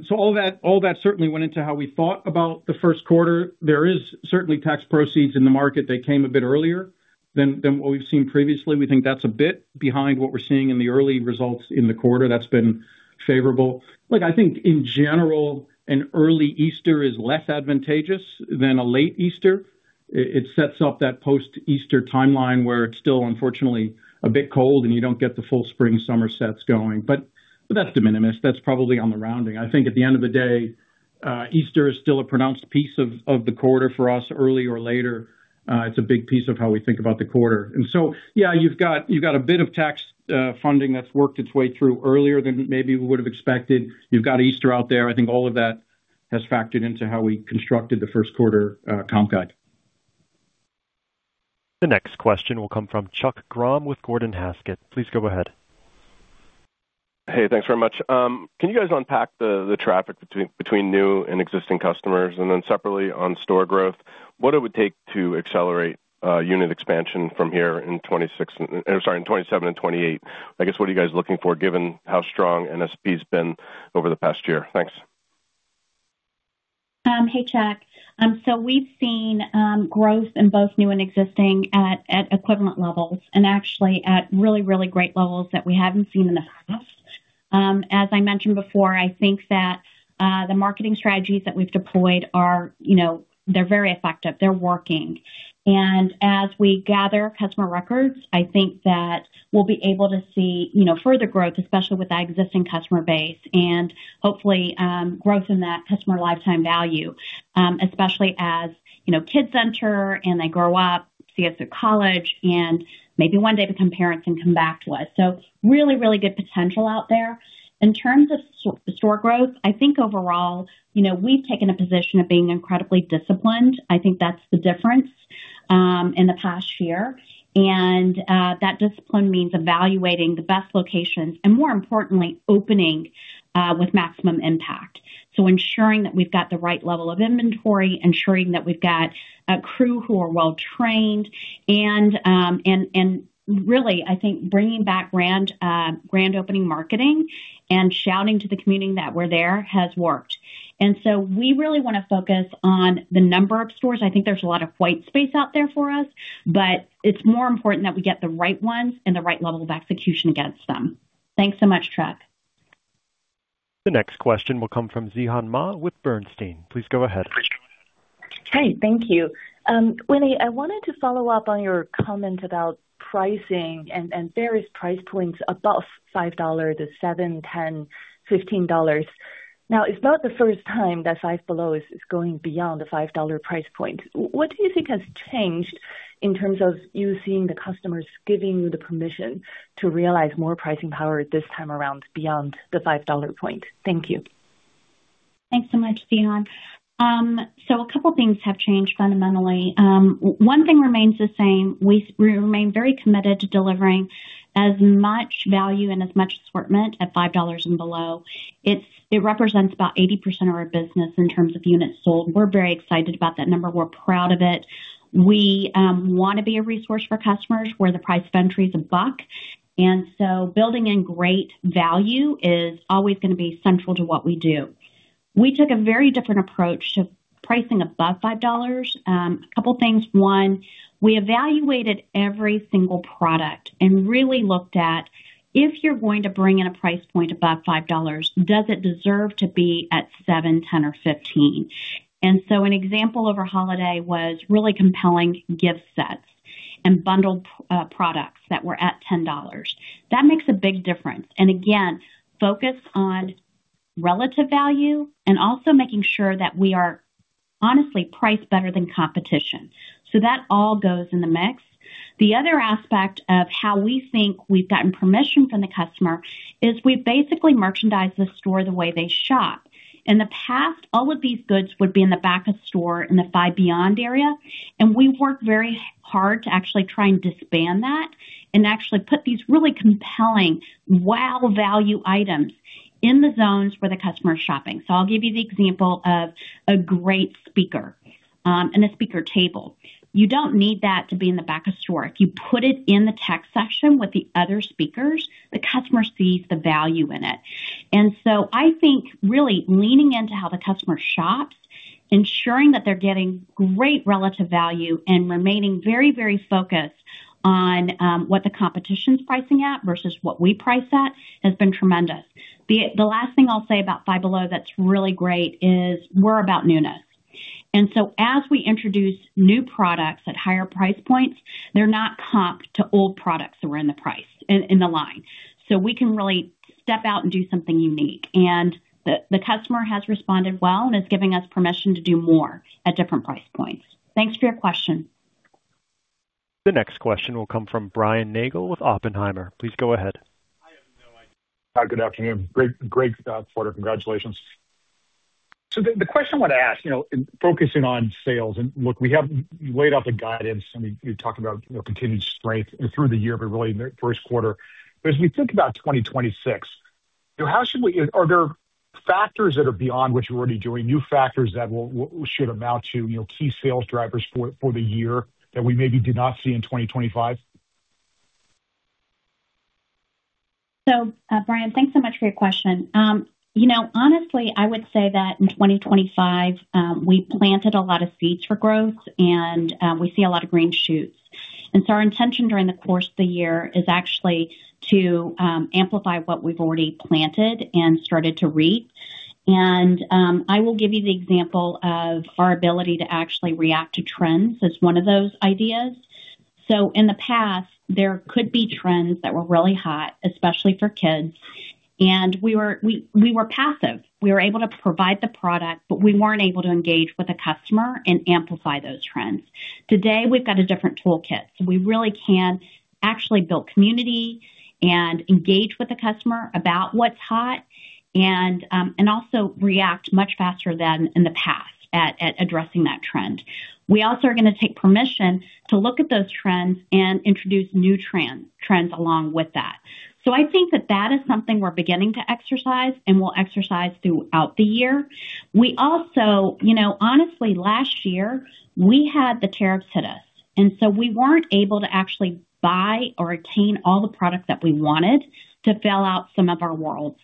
So all that certainly went into how we thought about the first quarter. There is certainly tax refunds in the market. They came a bit earlier than what we've seen previously. We think that's a bit behind what we're seeing in the early results in the quarter. That's been favorable. Look, I think in general, an early Easter is less advantageous than a late Easter. It sets up that post-Easter timeline where it's still, unfortunately, a bit cold and you don't get the full spring/summer sets going. But that's de minimis. That's probably on the rounding. I think at the end of the day, Easter is still a pronounced piece of the quarter for us, early or later. It's a big piece of how we think about the quarter. Yeah, you've got a bit of tax funding that's worked its way through earlier than maybe we would've expected. You've got Easter out there. I think all of that has factored into how we constructed the first quarter comp guide.
The next question will come from Chuck Grom with Gordon Haskett. Please go ahead.
Hey, thanks very much. Can you guys unpack the traffic between new and existing customers? Then separately on store growth, what it would take to accelerate unit expansion from here in 2027 and 2028? I guess, what are you guys looking for, given how strong NSP's been over the past year? Thanks.
Hey, Chuck. So we've seen growth in both new and existing at equivalent levels and actually at really, really great levels that we haven't seen in the past. As I mentioned before, I think that the marketing strategies that we've deployed are, you know, they're very effective. They're working. As we gather customer records, I think that we'll be able to see, you know, further growth, especially with that existing customer base and hopefully growth in that customer lifetime value, especially as, you know, kids enter and they grow up, see us through college and maybe one day become parents and come back to us. Really, really good potential out there. In terms of store growth, I think overall, you know, we've taken a position of being incredibly disciplined. I think that's the difference. In the past year. That discipline means evaluating the best locations and more importantly, opening with maximum impact. Ensuring that we've got the right level of inventory, ensuring that we've got a crew who are well-trained and really, I think bringing back grand opening marketing and shouting to the community that we're there has worked. We really wanna focus on the number of stores. I think there's a lot of white space out there for us, but it's more important that we get the right ones and the right level of execution against them. Thanks so much, Chuck.
The next question will come from Zhihan Ma with Bernstein. Please go ahead.
Hi. Thank you. Winnie, I wanted to follow up on your comment about pricing and various price points above $5 to $7, $10, $15. Now, it's not the first time that Five Below is going beyond the $5 price point. What do you think has changed in terms of you seeing the customers giving you the permission to realize more pricing power this time around beyond the $5 price point? Thank you.
Thanks so much, Zhihan. A couple things have changed fundamentally. One thing remains the same. We remain very committed to delivering as much value and as much assortment at $5 and below. It represents about 80% of our business in terms of units sold. We're very excited about that number. We're proud of it. We wanna be a resource for customers where the price entry is a buck, and so building in great value is always gonna be central to what we do. We took a very different approach to pricing above $5. A couple things. One, we evaluated every single product and really looked at if you're going to bring in a price point above $5, does it deserve to be at $7, $10, or $15? An example over holiday was really compelling gift sets and bundled products that were at $10. That makes a big difference. Focus on relative value and also making sure that we are honestly priced better than competition. That all goes in the mix. The other aspect of how we think we've gotten permission from the customer is we basically merchandise the store the way they shop. In the past, all of these goods would be in the back of store in the Five Beyond area, and we worked very hard to actually try and disband that and actually put these really compelling wow value items in the zones where the customer is shopping. I'll give you the example of a great speaker and a speaker table. You don't need that to be in the back of store. If you put it in the tech section with the other speakers, the customer sees the value in it. I think really leaning into how the customer shops, ensuring that they're getting great relative value and remaining very, very focused on what the competition's pricing at versus what we price at has been tremendous. The last thing I'll say about Five Below that's really great is we're about newness. As we introduce new products at higher price points, they're not comped to old products that were in the price line. We can really step out and do something unique. The customer has responded well and is giving us permission to do more at different price points. Thanks for your question.
The next question will come from Brian Nagel with Oppenheimer. Please go ahead.
Hi, good afternoon. Great quarter. Congratulations. The question I wanna ask, you know, in focusing on sales, and look, you laid out the guidance and you talked about, you know, continued strength through the year, but really in the first quarter. As we think about 2026, you know, how should we? Are there factors that are beyond what you're already doing, new factors that will should amount to, you know, key sales drivers for the year that we maybe did not see in 2025?
Brian, thanks so much for your question. You know, honestly, I would say that in 2025, we planted a lot of seeds for growth and we see a lot of green shoots. Our intention during the course of the year is actually to amplify what we've already planted and started to reap. I will give you the example of our ability to actually react to trends as one of those ideas. In the past, there could be trends that were really hot, especially for kids. We were passive. We were able to provide the product, but we weren't able to engage with the customer and amplify those trends. Today, we've got a different toolkit, so we really can actually build community and engage with the customer about what's hot and also react much faster than in the past at addressing that trend. We also are gonna take permission to look at those trends and introduce new trends along with that. I think that is something we're beginning to exercise and will exercise throughout the year. We also, you know, honestly, last year we had the tariffs hit us, and so we weren't able to actually buy or attain all the products that we wanted to fill out some of our worlds.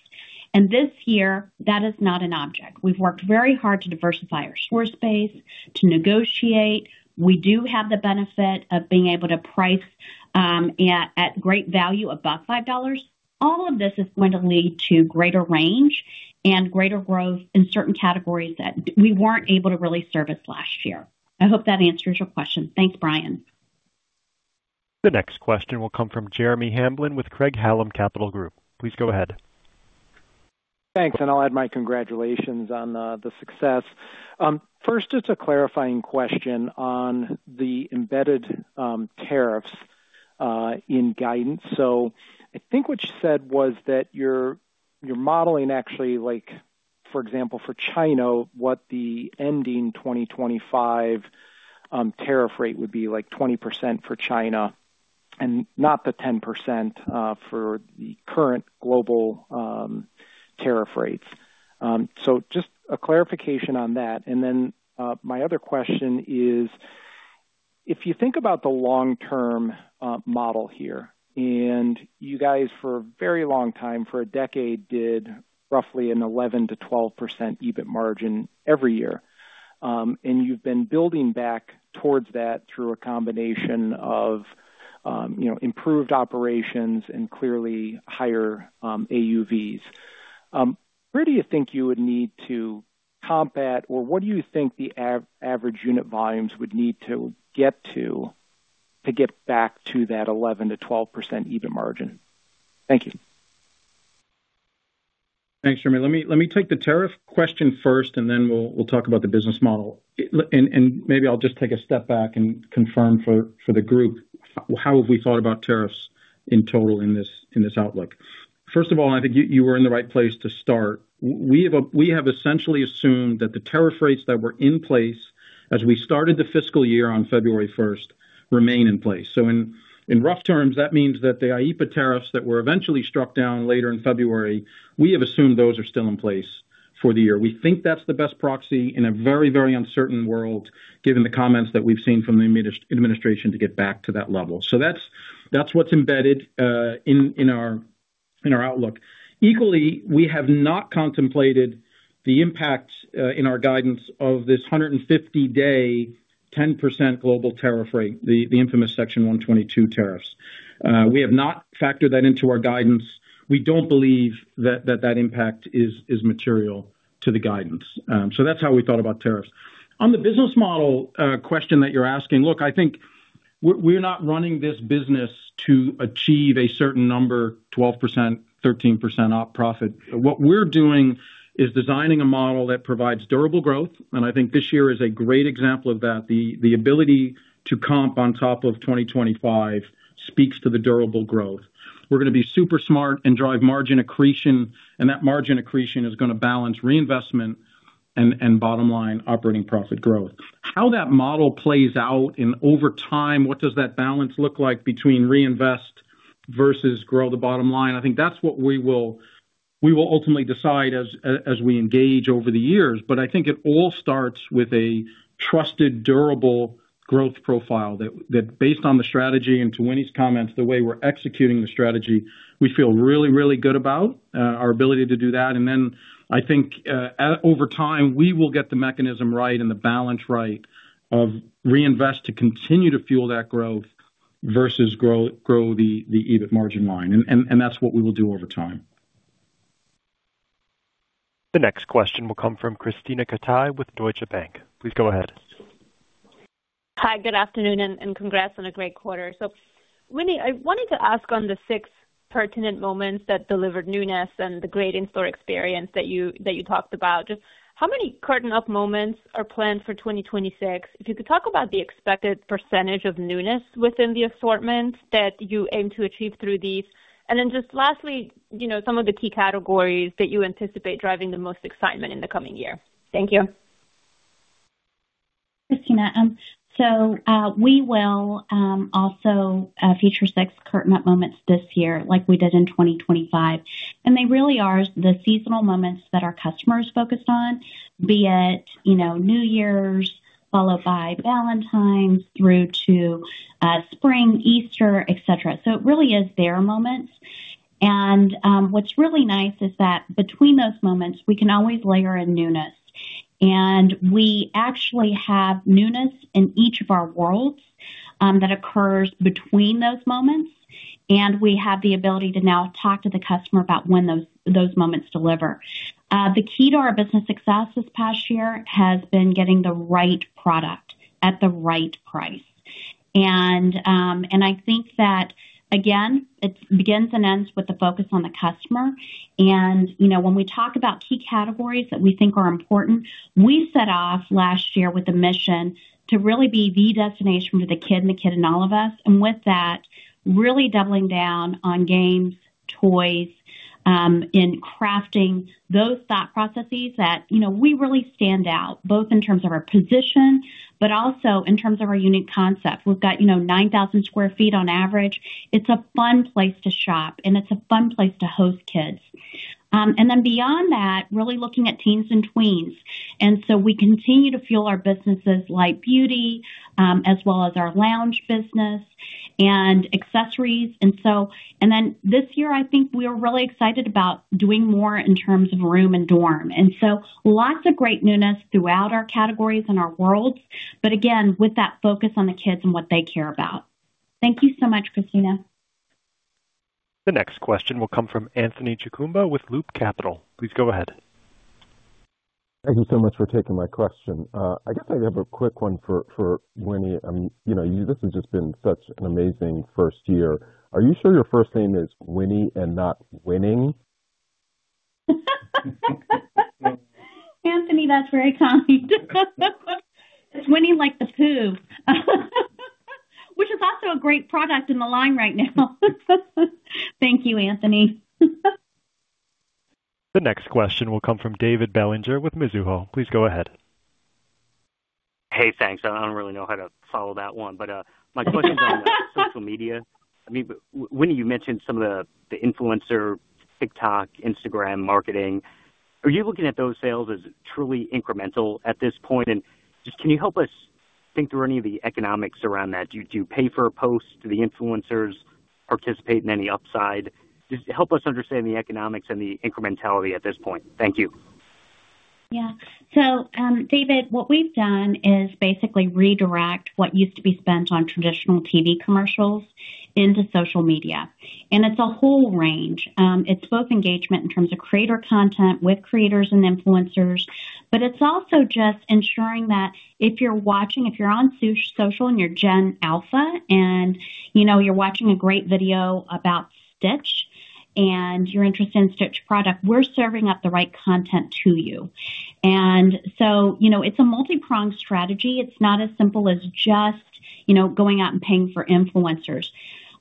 This year, that is not an obstacle. We've worked very hard to diversify our store space, to negotiate. We do have the benefit of being able to price at great value above $5. All of this is going to lead to greater range and greater growth in certain categories that we weren't able to really service last year. I hope that answers your question. Thanks, Brian.
The next question will come from Jeremy Hamblin with Craig-Hallum Capital Group. Please go ahead.
Thanks, and I'll add my congratulations on the success. First, just a clarifying question on the embedded tariffs. In guidance. I think what you said was that you're modeling actually like for example, for China, what the ending 2025 tariff rate would be like 20% for China and not the 10% for the current global tariff rates. Just a clarification on that. My other question is, if you think about the long-term model here and you guys for a very long time, for a decade, did roughly an 11%-12% EBIT margin every year. And you've been building back towards that through a combination of, you know, improved operations and clearly higher AUVs. Where do you think you would need to combat, or what do you think the average unit volumes would need to get to to get back to that 11%-12% EBIT margin? Thank you.
Thanks, Jeremy. Let me take the tariff question first and then we'll talk about the business model. Maybe I'll just take a step back and confirm for the group, how have we thought about tariffs in total in this outlook. First of all, I think you were in the right place to start. We have essentially assumed that the tariff rates that were in place as we started the fiscal year on February first remain in place. In rough terms, that means that the IEEPA tariffs that were eventually struck down later in February, we have assumed those are still in place for the year. We think that's the best proxy in a very uncertain world, given the comments that we've seen from the administration to get back to that level. That's what's embedded in our outlook. Equally, we have not contemplated the impact in our guidance of this 150-day 10% global tariff rate, the infamous Section 122 tariffs. We have not factored that into our guidance. We don't believe that impact is material to the guidance. That's how we thought about tariffs. On the business model question that you're asking. Look, I think we're not running this business to achieve a certain number, 12%, 13% op profit. What we're doing is designing a model that provides durable growth, and I think this year is a great example of that. The ability to comp on top of 2025 speaks to the durable growth. We're gonna be super smart and drive margin accretion, and that margin accretion is gonna balance reinvestment and bottom line operating profit growth. How that model plays out over time, what does that balance look like between reinvest versus grow the bottom line? I think that's what we will ultimately decide as we engage over the years. I think it all starts with a trusted, durable growth profile that based on the strategy, and to Winnie's comments, the way we're executing the strategy, we feel really good about our ability to do that. Then I think over time, we will get the mechanism right and the balance right of reinvest to continue to fuel that growth versus grow the EBIT margin line. That's what we will do over time.
The next question will come from Krisztina Katai with Deutsche Bank. Please go ahead.
Hi, good afternoon and congrats on a great quarter. Winnie, I wanted to ask on the six pertinent moments that delivered newness and the great in-store experience that you talked about. Just how many curtain up moments are planned for 2026? If you could talk about the expected percentage of newness within the assortment that you aim to achieve through these. Just lastly, you know, some of the key categories that you anticipate driving the most excitement in the coming year. Thank you.
Krisztina, we will also feature six curtain up moments this year like we did in 2025. They really are the seasonal moments that our customers focused on, be it, you know, New Year's, followed by Valentine's, through to spring, Easter, et cetera. It really is their moments. What's really nice is that between those moments, we can always layer in newness. We actually have newness in each of our worlds that occurs between those moments, and we have the ability to now talk to the customer about when those moments deliver. The key to our business success this past year has been getting the right product at the right price. I think that again, it begins and ends with the focus on the customer. You know, when we talk about key categories that we think are important, we set off last year with a mission to really be the destination for the kid and the kid in all of us. With that, really doubling down on games, toys, in crafting those thought processes that, you know, we really stand out, both in terms of our position, but also in terms of our unique concept. We've got, you know, 9,000 sq ft on average. It's a fun place to shop, and it's a fun place to host kids. Beyond that, really looking at teens and tweens. We continue to fuel our businesses like beauty, as well as our lounge business and accessories. This year, I think we are really excited about doing more in terms of room and dorm. Lots of great newness throughout our categories and our worlds. Again, with that focus on the kids and what they care about. Thank you so much, Krisztina.
The next question will come from Anthony Chukumba with Loop Capital. Please go ahead.
Thank you so much for taking my question. I guess I have a quick one for Winnie. You know, this has just been such an amazing first year. Are you sure your first name is Winnie and not Winning?
Anthony, that's very kind. Does Winnie like the Pooh? Which is also a great product in the line right now. Thank you, Anthony.
The next question will come from David Bellinger with Mizuho. Please go ahead.
Hey, thanks. I don't really know how to follow that one, but my question is on social media. I mean, Winnie, you mentioned some of the influencer, TikTok, Instagram marketing. Are you looking at those sales as truly incremental at this point? Just can you help us think through any of the economics around that? Do you pay for a post? Do the influencers participate in any upside? Just help us understand the economics and the incrementality at this point. Thank you.
Yeah. David, what we've done is basically redirect what used to be spent on traditional TV commercials into social media. It's a whole range. It's both engagement in terms of creator content with creators and influencers, but it's also just ensuring that if you're watching, if you're on social and you're Gen Alpha and, you know, you're watching a great video about Stitch and you're interested in Stitch product, we're serving up the right content to you. You know, it's a multi-pronged strategy. It's not as simple as just, you know, going out and paying for influencers.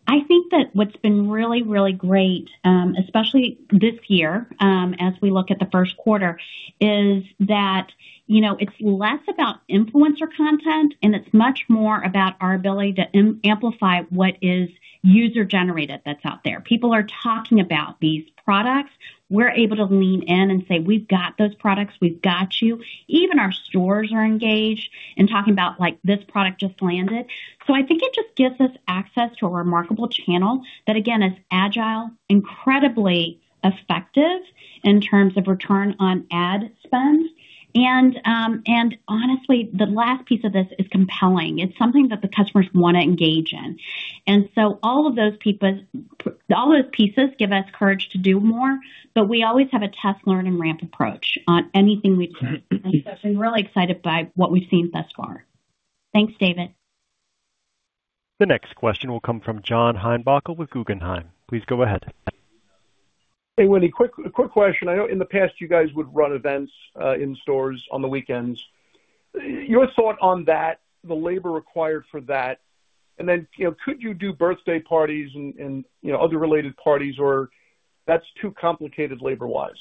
I think that what's been really great, especially this year, as we look at the first quarter, is that, you know, it's less about influencer content, and it's much more about our ability to amplify what is user generated that's out there. People are talking about these products. We're able to lean in and say, "We've got those products. We've got you." Even our stores are engaged in talking about, like, this product just landed. I think it just gives us access to a remarkable channel that again, is agile, incredibly effective in terms of return on ad spend. Honestly, the last piece of this is compelling. It's something that the customers wanna engage in. All those pieces give us courage to do more, but we always have a test, learn, and ramp approach on anything we do. I'm really excited by what we've seen thus far. Thanks, David.
The next question will come from John Heinbockel with Guggenheim. Please go ahead.
Hey, Winnie. Quick question. I know in the past you guys would run events in stores on the weekends. Your thought on that, the labor required for that, and then, you know, could you do birthday parties and you know, other related parties, or that's too complicated labor-wise?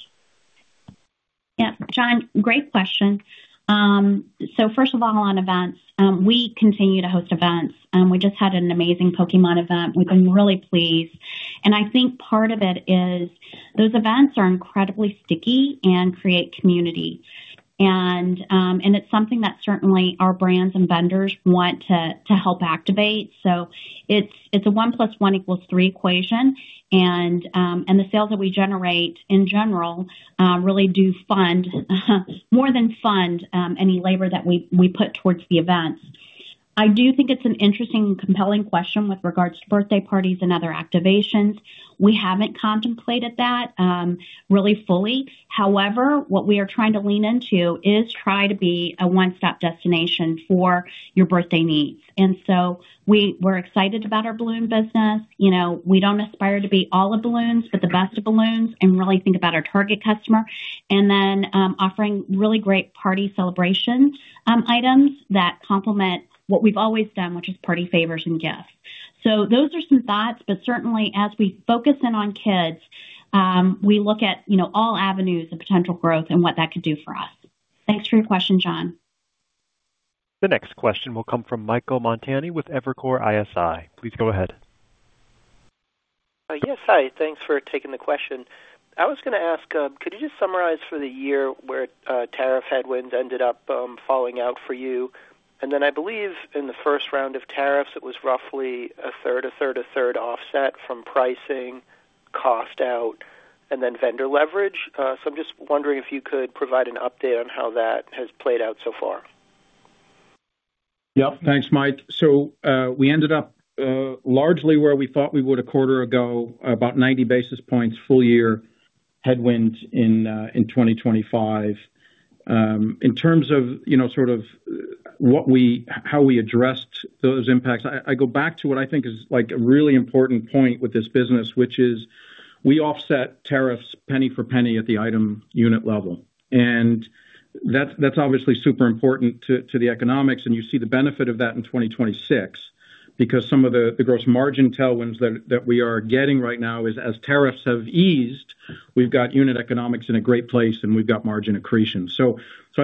Yeah. John, great question. So first of all, on events, we continue to host events. We just had an amazing Pokémon event. We've been really pleased. I think part of it is those events are incredibly sticky and create community. It's something that certainly our brands and vendors want to help activate. It's a one plus one equals three equation. The sales that we generate in general really do fund, more than fund, any labor that we put towards the events. I do think it's an interesting and compelling question with regards to birthday parties and other activations. We haven't contemplated that really fully. However, what we are trying to lean into is try to be a one-stop destination for your birthday needs. We're excited about our balloon business. You know, we don't aspire to be all the balloons, but the best of balloons, and really think about our target customer. Offering really great party celebration items that complement what we've always done, which is party favors and gifts. Those are some thoughts, but certainly as we focus in on kids, we look at, you know, all avenues of potential growth and what that could do for us. Thanks for your question, John.
The next question will come from Michael Montani with Evercore ISI. Please go ahead.
Yes. Hi, thanks for taking the question. I was gonna ask, could you just summarize for the year where tariff headwinds ended up falling out for you? I believe in the first round of tariffs, it was roughly a third, a third, a third offset from pricing, cost out, and then vendor leverage. I'm just wondering if you could provide an update on how that has played out so far.
Yep. Thanks, Mike. We ended up largely where we thought we would a quarter ago, about 90 basis points full-year headwinds in 2025. In terms of, you know, sort of how we addressed those impacts, I go back to what I think is, like, a really important point with this business, which is we offset tariffs penny for penny at the item unit level. That's obviously super important to the economics, and you see the benefit of that in 2026 because some of the gross margin tailwinds that we are getting right now is as tariffs have eased, we've got unit economics in a great place, and we've got margin accretion. I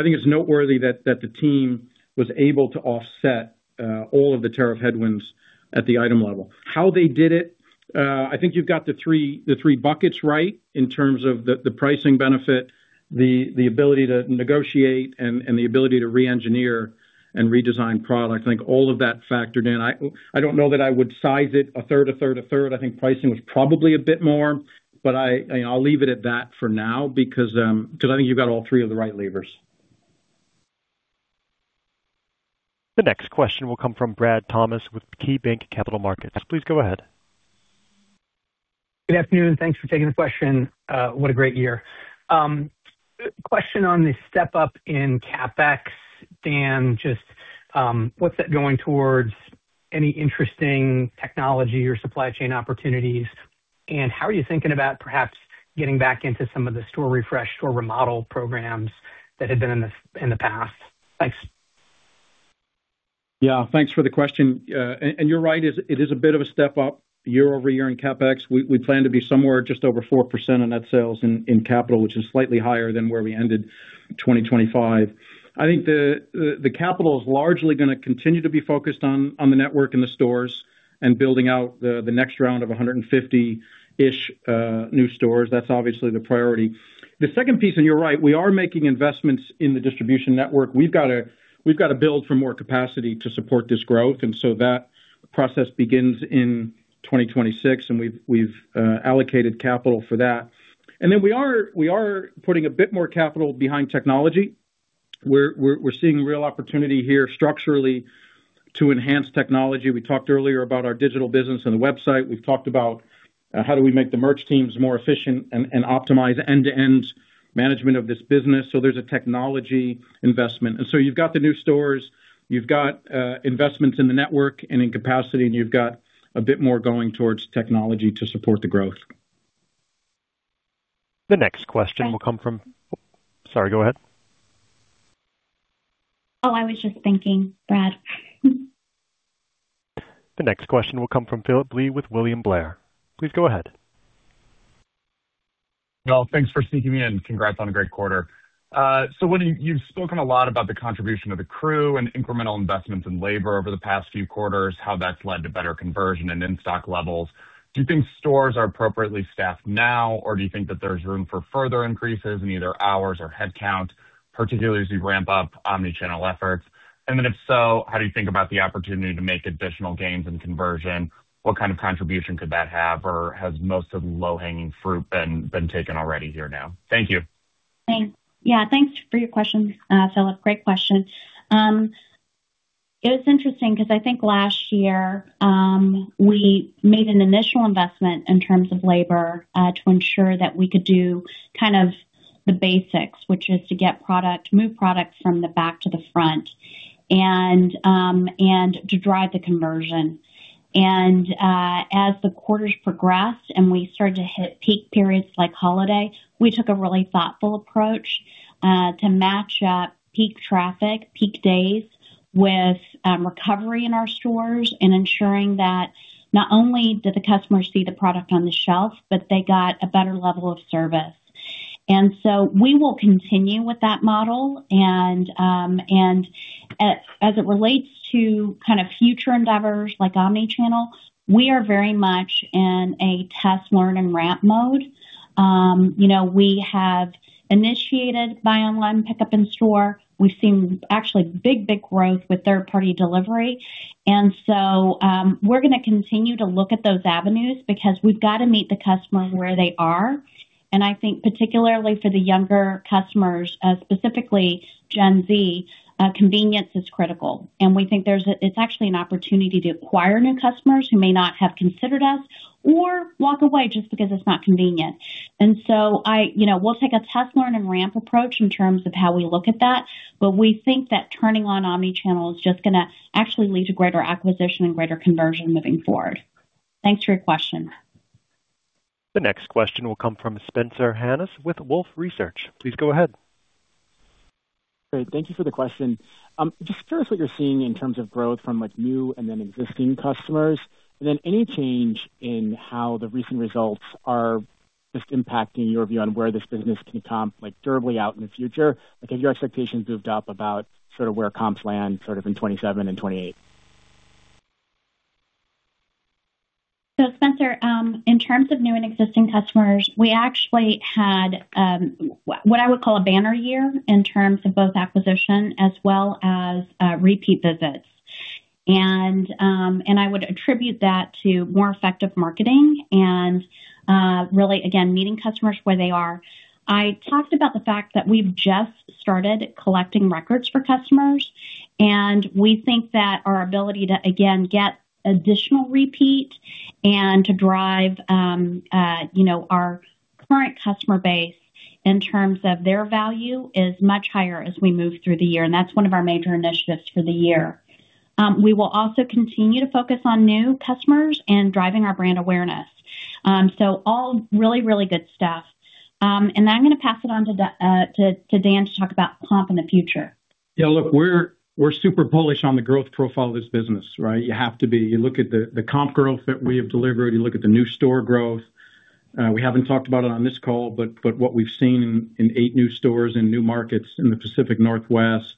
think it's noteworthy that the team was able to offset all of the tariff headwinds at the item level. How they did it, I think you've got the three buckets right in terms of the pricing benefit, the ability to negotiate and the ability to reengineer and redesign products. I think all of that factored in. I don't know that I would size it a third. I think pricing was probably a bit more, but you know, I'll leave it at that for now because I think you've got all three of the right levers.
The next question will come from Brad Thomas with KeyBanc Capital Markets. Please go ahead.
Good afternoon. Thanks for taking the question. What a great year. Question on the step-up in CapEx. Dan, just, what's that going towards? Any interesting technology or supply chain opportunities? How are you thinking about perhaps getting back into some of the store refresh store remodel programs that had been in the past? Thanks.
Yeah, thanks for the question. You're right. It's a bit of a step up year over year in CapEx. We plan to be somewhere just over 4% of net sales in capital, which is slightly higher than where we ended 2025. I think the capital is largely gonna continue to be focused on the network and the stores and building out the next round of 150-ish new stores. That's obviously the priority. The second piece, you're right, we are making investments in the distribution network. We've gotta build for more capacity to support this growth, that process begins in 2026, and we've allocated capital for that. Then we are putting a bit more capital behind technology. We're seeing real opportunity here structurally to enhance technology. We talked earlier about our digital business and the website. We've talked about how do we make the merch teams more efficient and optimize end-to-end management of this business. There's a technology investment. You've got the new stores, you've got investments in the network and in capacity, and you've got a bit more going towards technology to support the growth.
The next question will come from. Sorry, go ahead.
Oh, I was just thinking, Brad.
The next question will come from Phillip Blee with William Blair. Please go ahead.
Well, thanks for sneaking me in. Congrats on a great quarter. So Winnie, you've spoken a lot about the contribution of the crew and incremental investments in labor over the past few quarters, how that's led to better conversion and in-stock levels. Do you think stores are appropriately staffed now, or do you think that there's room for further increases in either hours or headcount, particularly as you ramp up omni-channel efforts? And then, if so, how do you think about the opportunity to make additional gains in conversion? What kind of contribution could that have, or has most of the low-hanging fruit been taken already here now? Thank you.
Thanks. Yeah, thanks for your question, Phillip. Great question. It was interesting because I think last year we made an initial investment in terms of labor to ensure that we could do kind of the basics, which is to get product—move product from the back to the front and to drive the conversion. As the quarters progressed and we started to hit peak periods like holiday, we took a really thoughtful approach to match up peak traffic, peak days with recovery in our stores and ensuring that not only did the customers see the product on the shelf, but they got a better level of service. We will continue with that model and as it relates to kind of future endeavors like omni-channel, we are very much in a test, learn, and ramp mode. You know, we have initiated buy online, pickup in store. We've seen actually big growth with third-party delivery. We're gonna continue to look at those avenues because we've got to meet the customer where they are. I think particularly for the younger customers, specifically Gen Z, convenience is critical. We think it's actually an opportunity to acquire new customers who may not have considered us or walk away just because it's not convenient. You know, we'll take a test, learn, and ramp approach in terms of how we look at that, but we think that turning on omni-channel is just gonna actually lead to greater acquisition and greater conversion moving forward. Thanks for your question.
The next question will come from Spencer Hanus with Wolfe Research. Please go ahead.
Great. Thank you for the question. Just curious what you're seeing in terms of growth from like new and then existing customers. Then any change in how the recent results are just impacting your view on where this business can comp like durably out in the future. Like, have your expectations moved up about sort of where comps land sort of in 2027 and 2028?
Spencer, in terms of new and existing customers, we actually had what I would call a banner year in terms of both acquisition as well as repeat visits. I would attribute that to more effective marketing and really, again, meeting customers where they are. I talked about the fact that we've just started collecting records for customers, and we think that our ability to again get additional repeat and to drive you know our current customer base in terms of their value is much higher as we move through the year, and that's one of our major initiatives for the year. We will also continue to focus on new customers and driving our brand awareness. All really really good stuff. I'm gonna pass it on to Dan to talk about comp in the future.
Yeah. Look, we're super bullish on the growth profile of this business, right? You have to be. You look at the comp growth that we have delivered, you look at the new store growth. We haven't talked about it on this call, but what we've seen in eight new stores in new markets in the Pacific Northwest.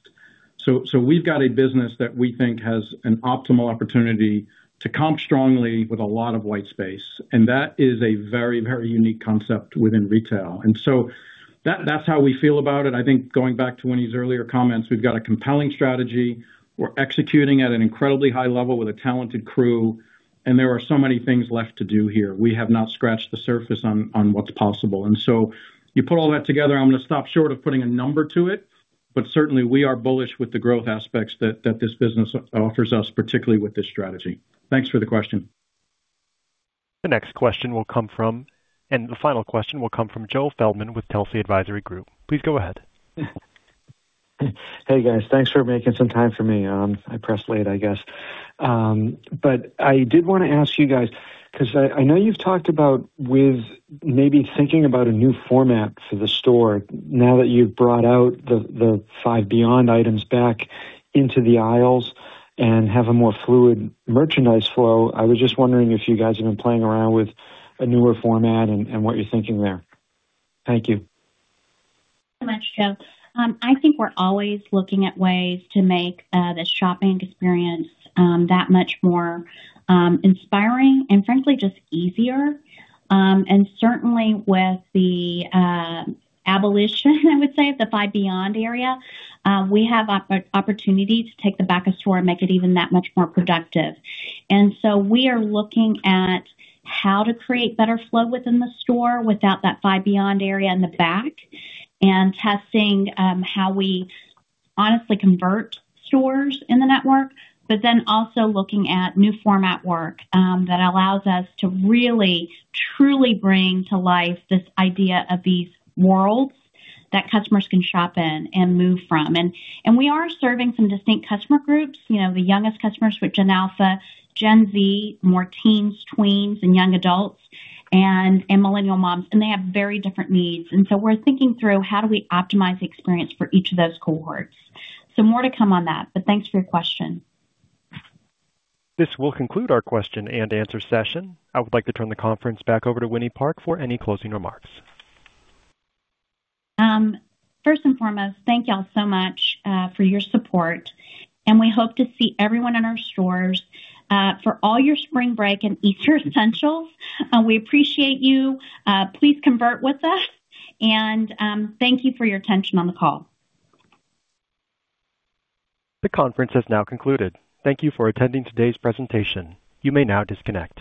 So we've got a business that we think has an optimal opportunity to comp strongly with a lot of white space, and that is a very unique concept within retail. That's how we feel about it. I think going back to Winnie's earlier comments, we've got a compelling strategy. We're executing at an incredibly high level with a talented crew, and there are so many things left to do here. We have not scratched the surface on what's possible. You put all that together, I'm gonna stop short of putting a number to it, but certainly we are bullish with the growth aspects that this business offers us, particularly with this strategy. Thanks for the question.
The final question will come from Joseph Feldman with Telsey Advisory Group. Please go ahead.
Hey, guys. Thanks for making some time for me. I pressed late, I guess. I did wanna ask you guys, 'cause I know you've talked about with maybe thinking about a new format for the store now that you've brought out the Five Beyond items back into the aisles and have a more fluid merchandise flow. I was just wondering if you guys have been playing around with a newer format and what you're thinking there. Thank you.
Thanks so much, Joe. I think we're always looking at ways to make the shopping experience that much more inspiring and frankly, just easier. Certainly with the abolition, I would say, of the Five Beyond area, we have opportunity to take the back of store and make it even that much more productive. We are looking at how to create better flow within the store without that Five Beyond area in the back and testing how we honestly convert stores in the network, but then also looking at new format work that allows us to really, truly bring to life this idea of these worlds that customers can shop in and move from. We are serving some distinct customer groups, you know, the youngest customers, which are Gen Alpha, Gen Z, more teens, tweens, and young adults, and millennial moms, and they have very different needs. We're thinking through how do we optimize the experience for each of those cohorts. More to come on that, but thanks for your question.
This will conclude our question and answer session. I would like to turn the conference back over to Winnie Park for any closing remarks.
First and foremost, thank y'all so much for your support, and we hope to see everyone in our stores for all your spring break and Easter essentials. We appreciate you. Please connect with us. Thank you for your attention on the call.
The conference has now concluded. Thank you for attending today's presentation. You may now disconnect.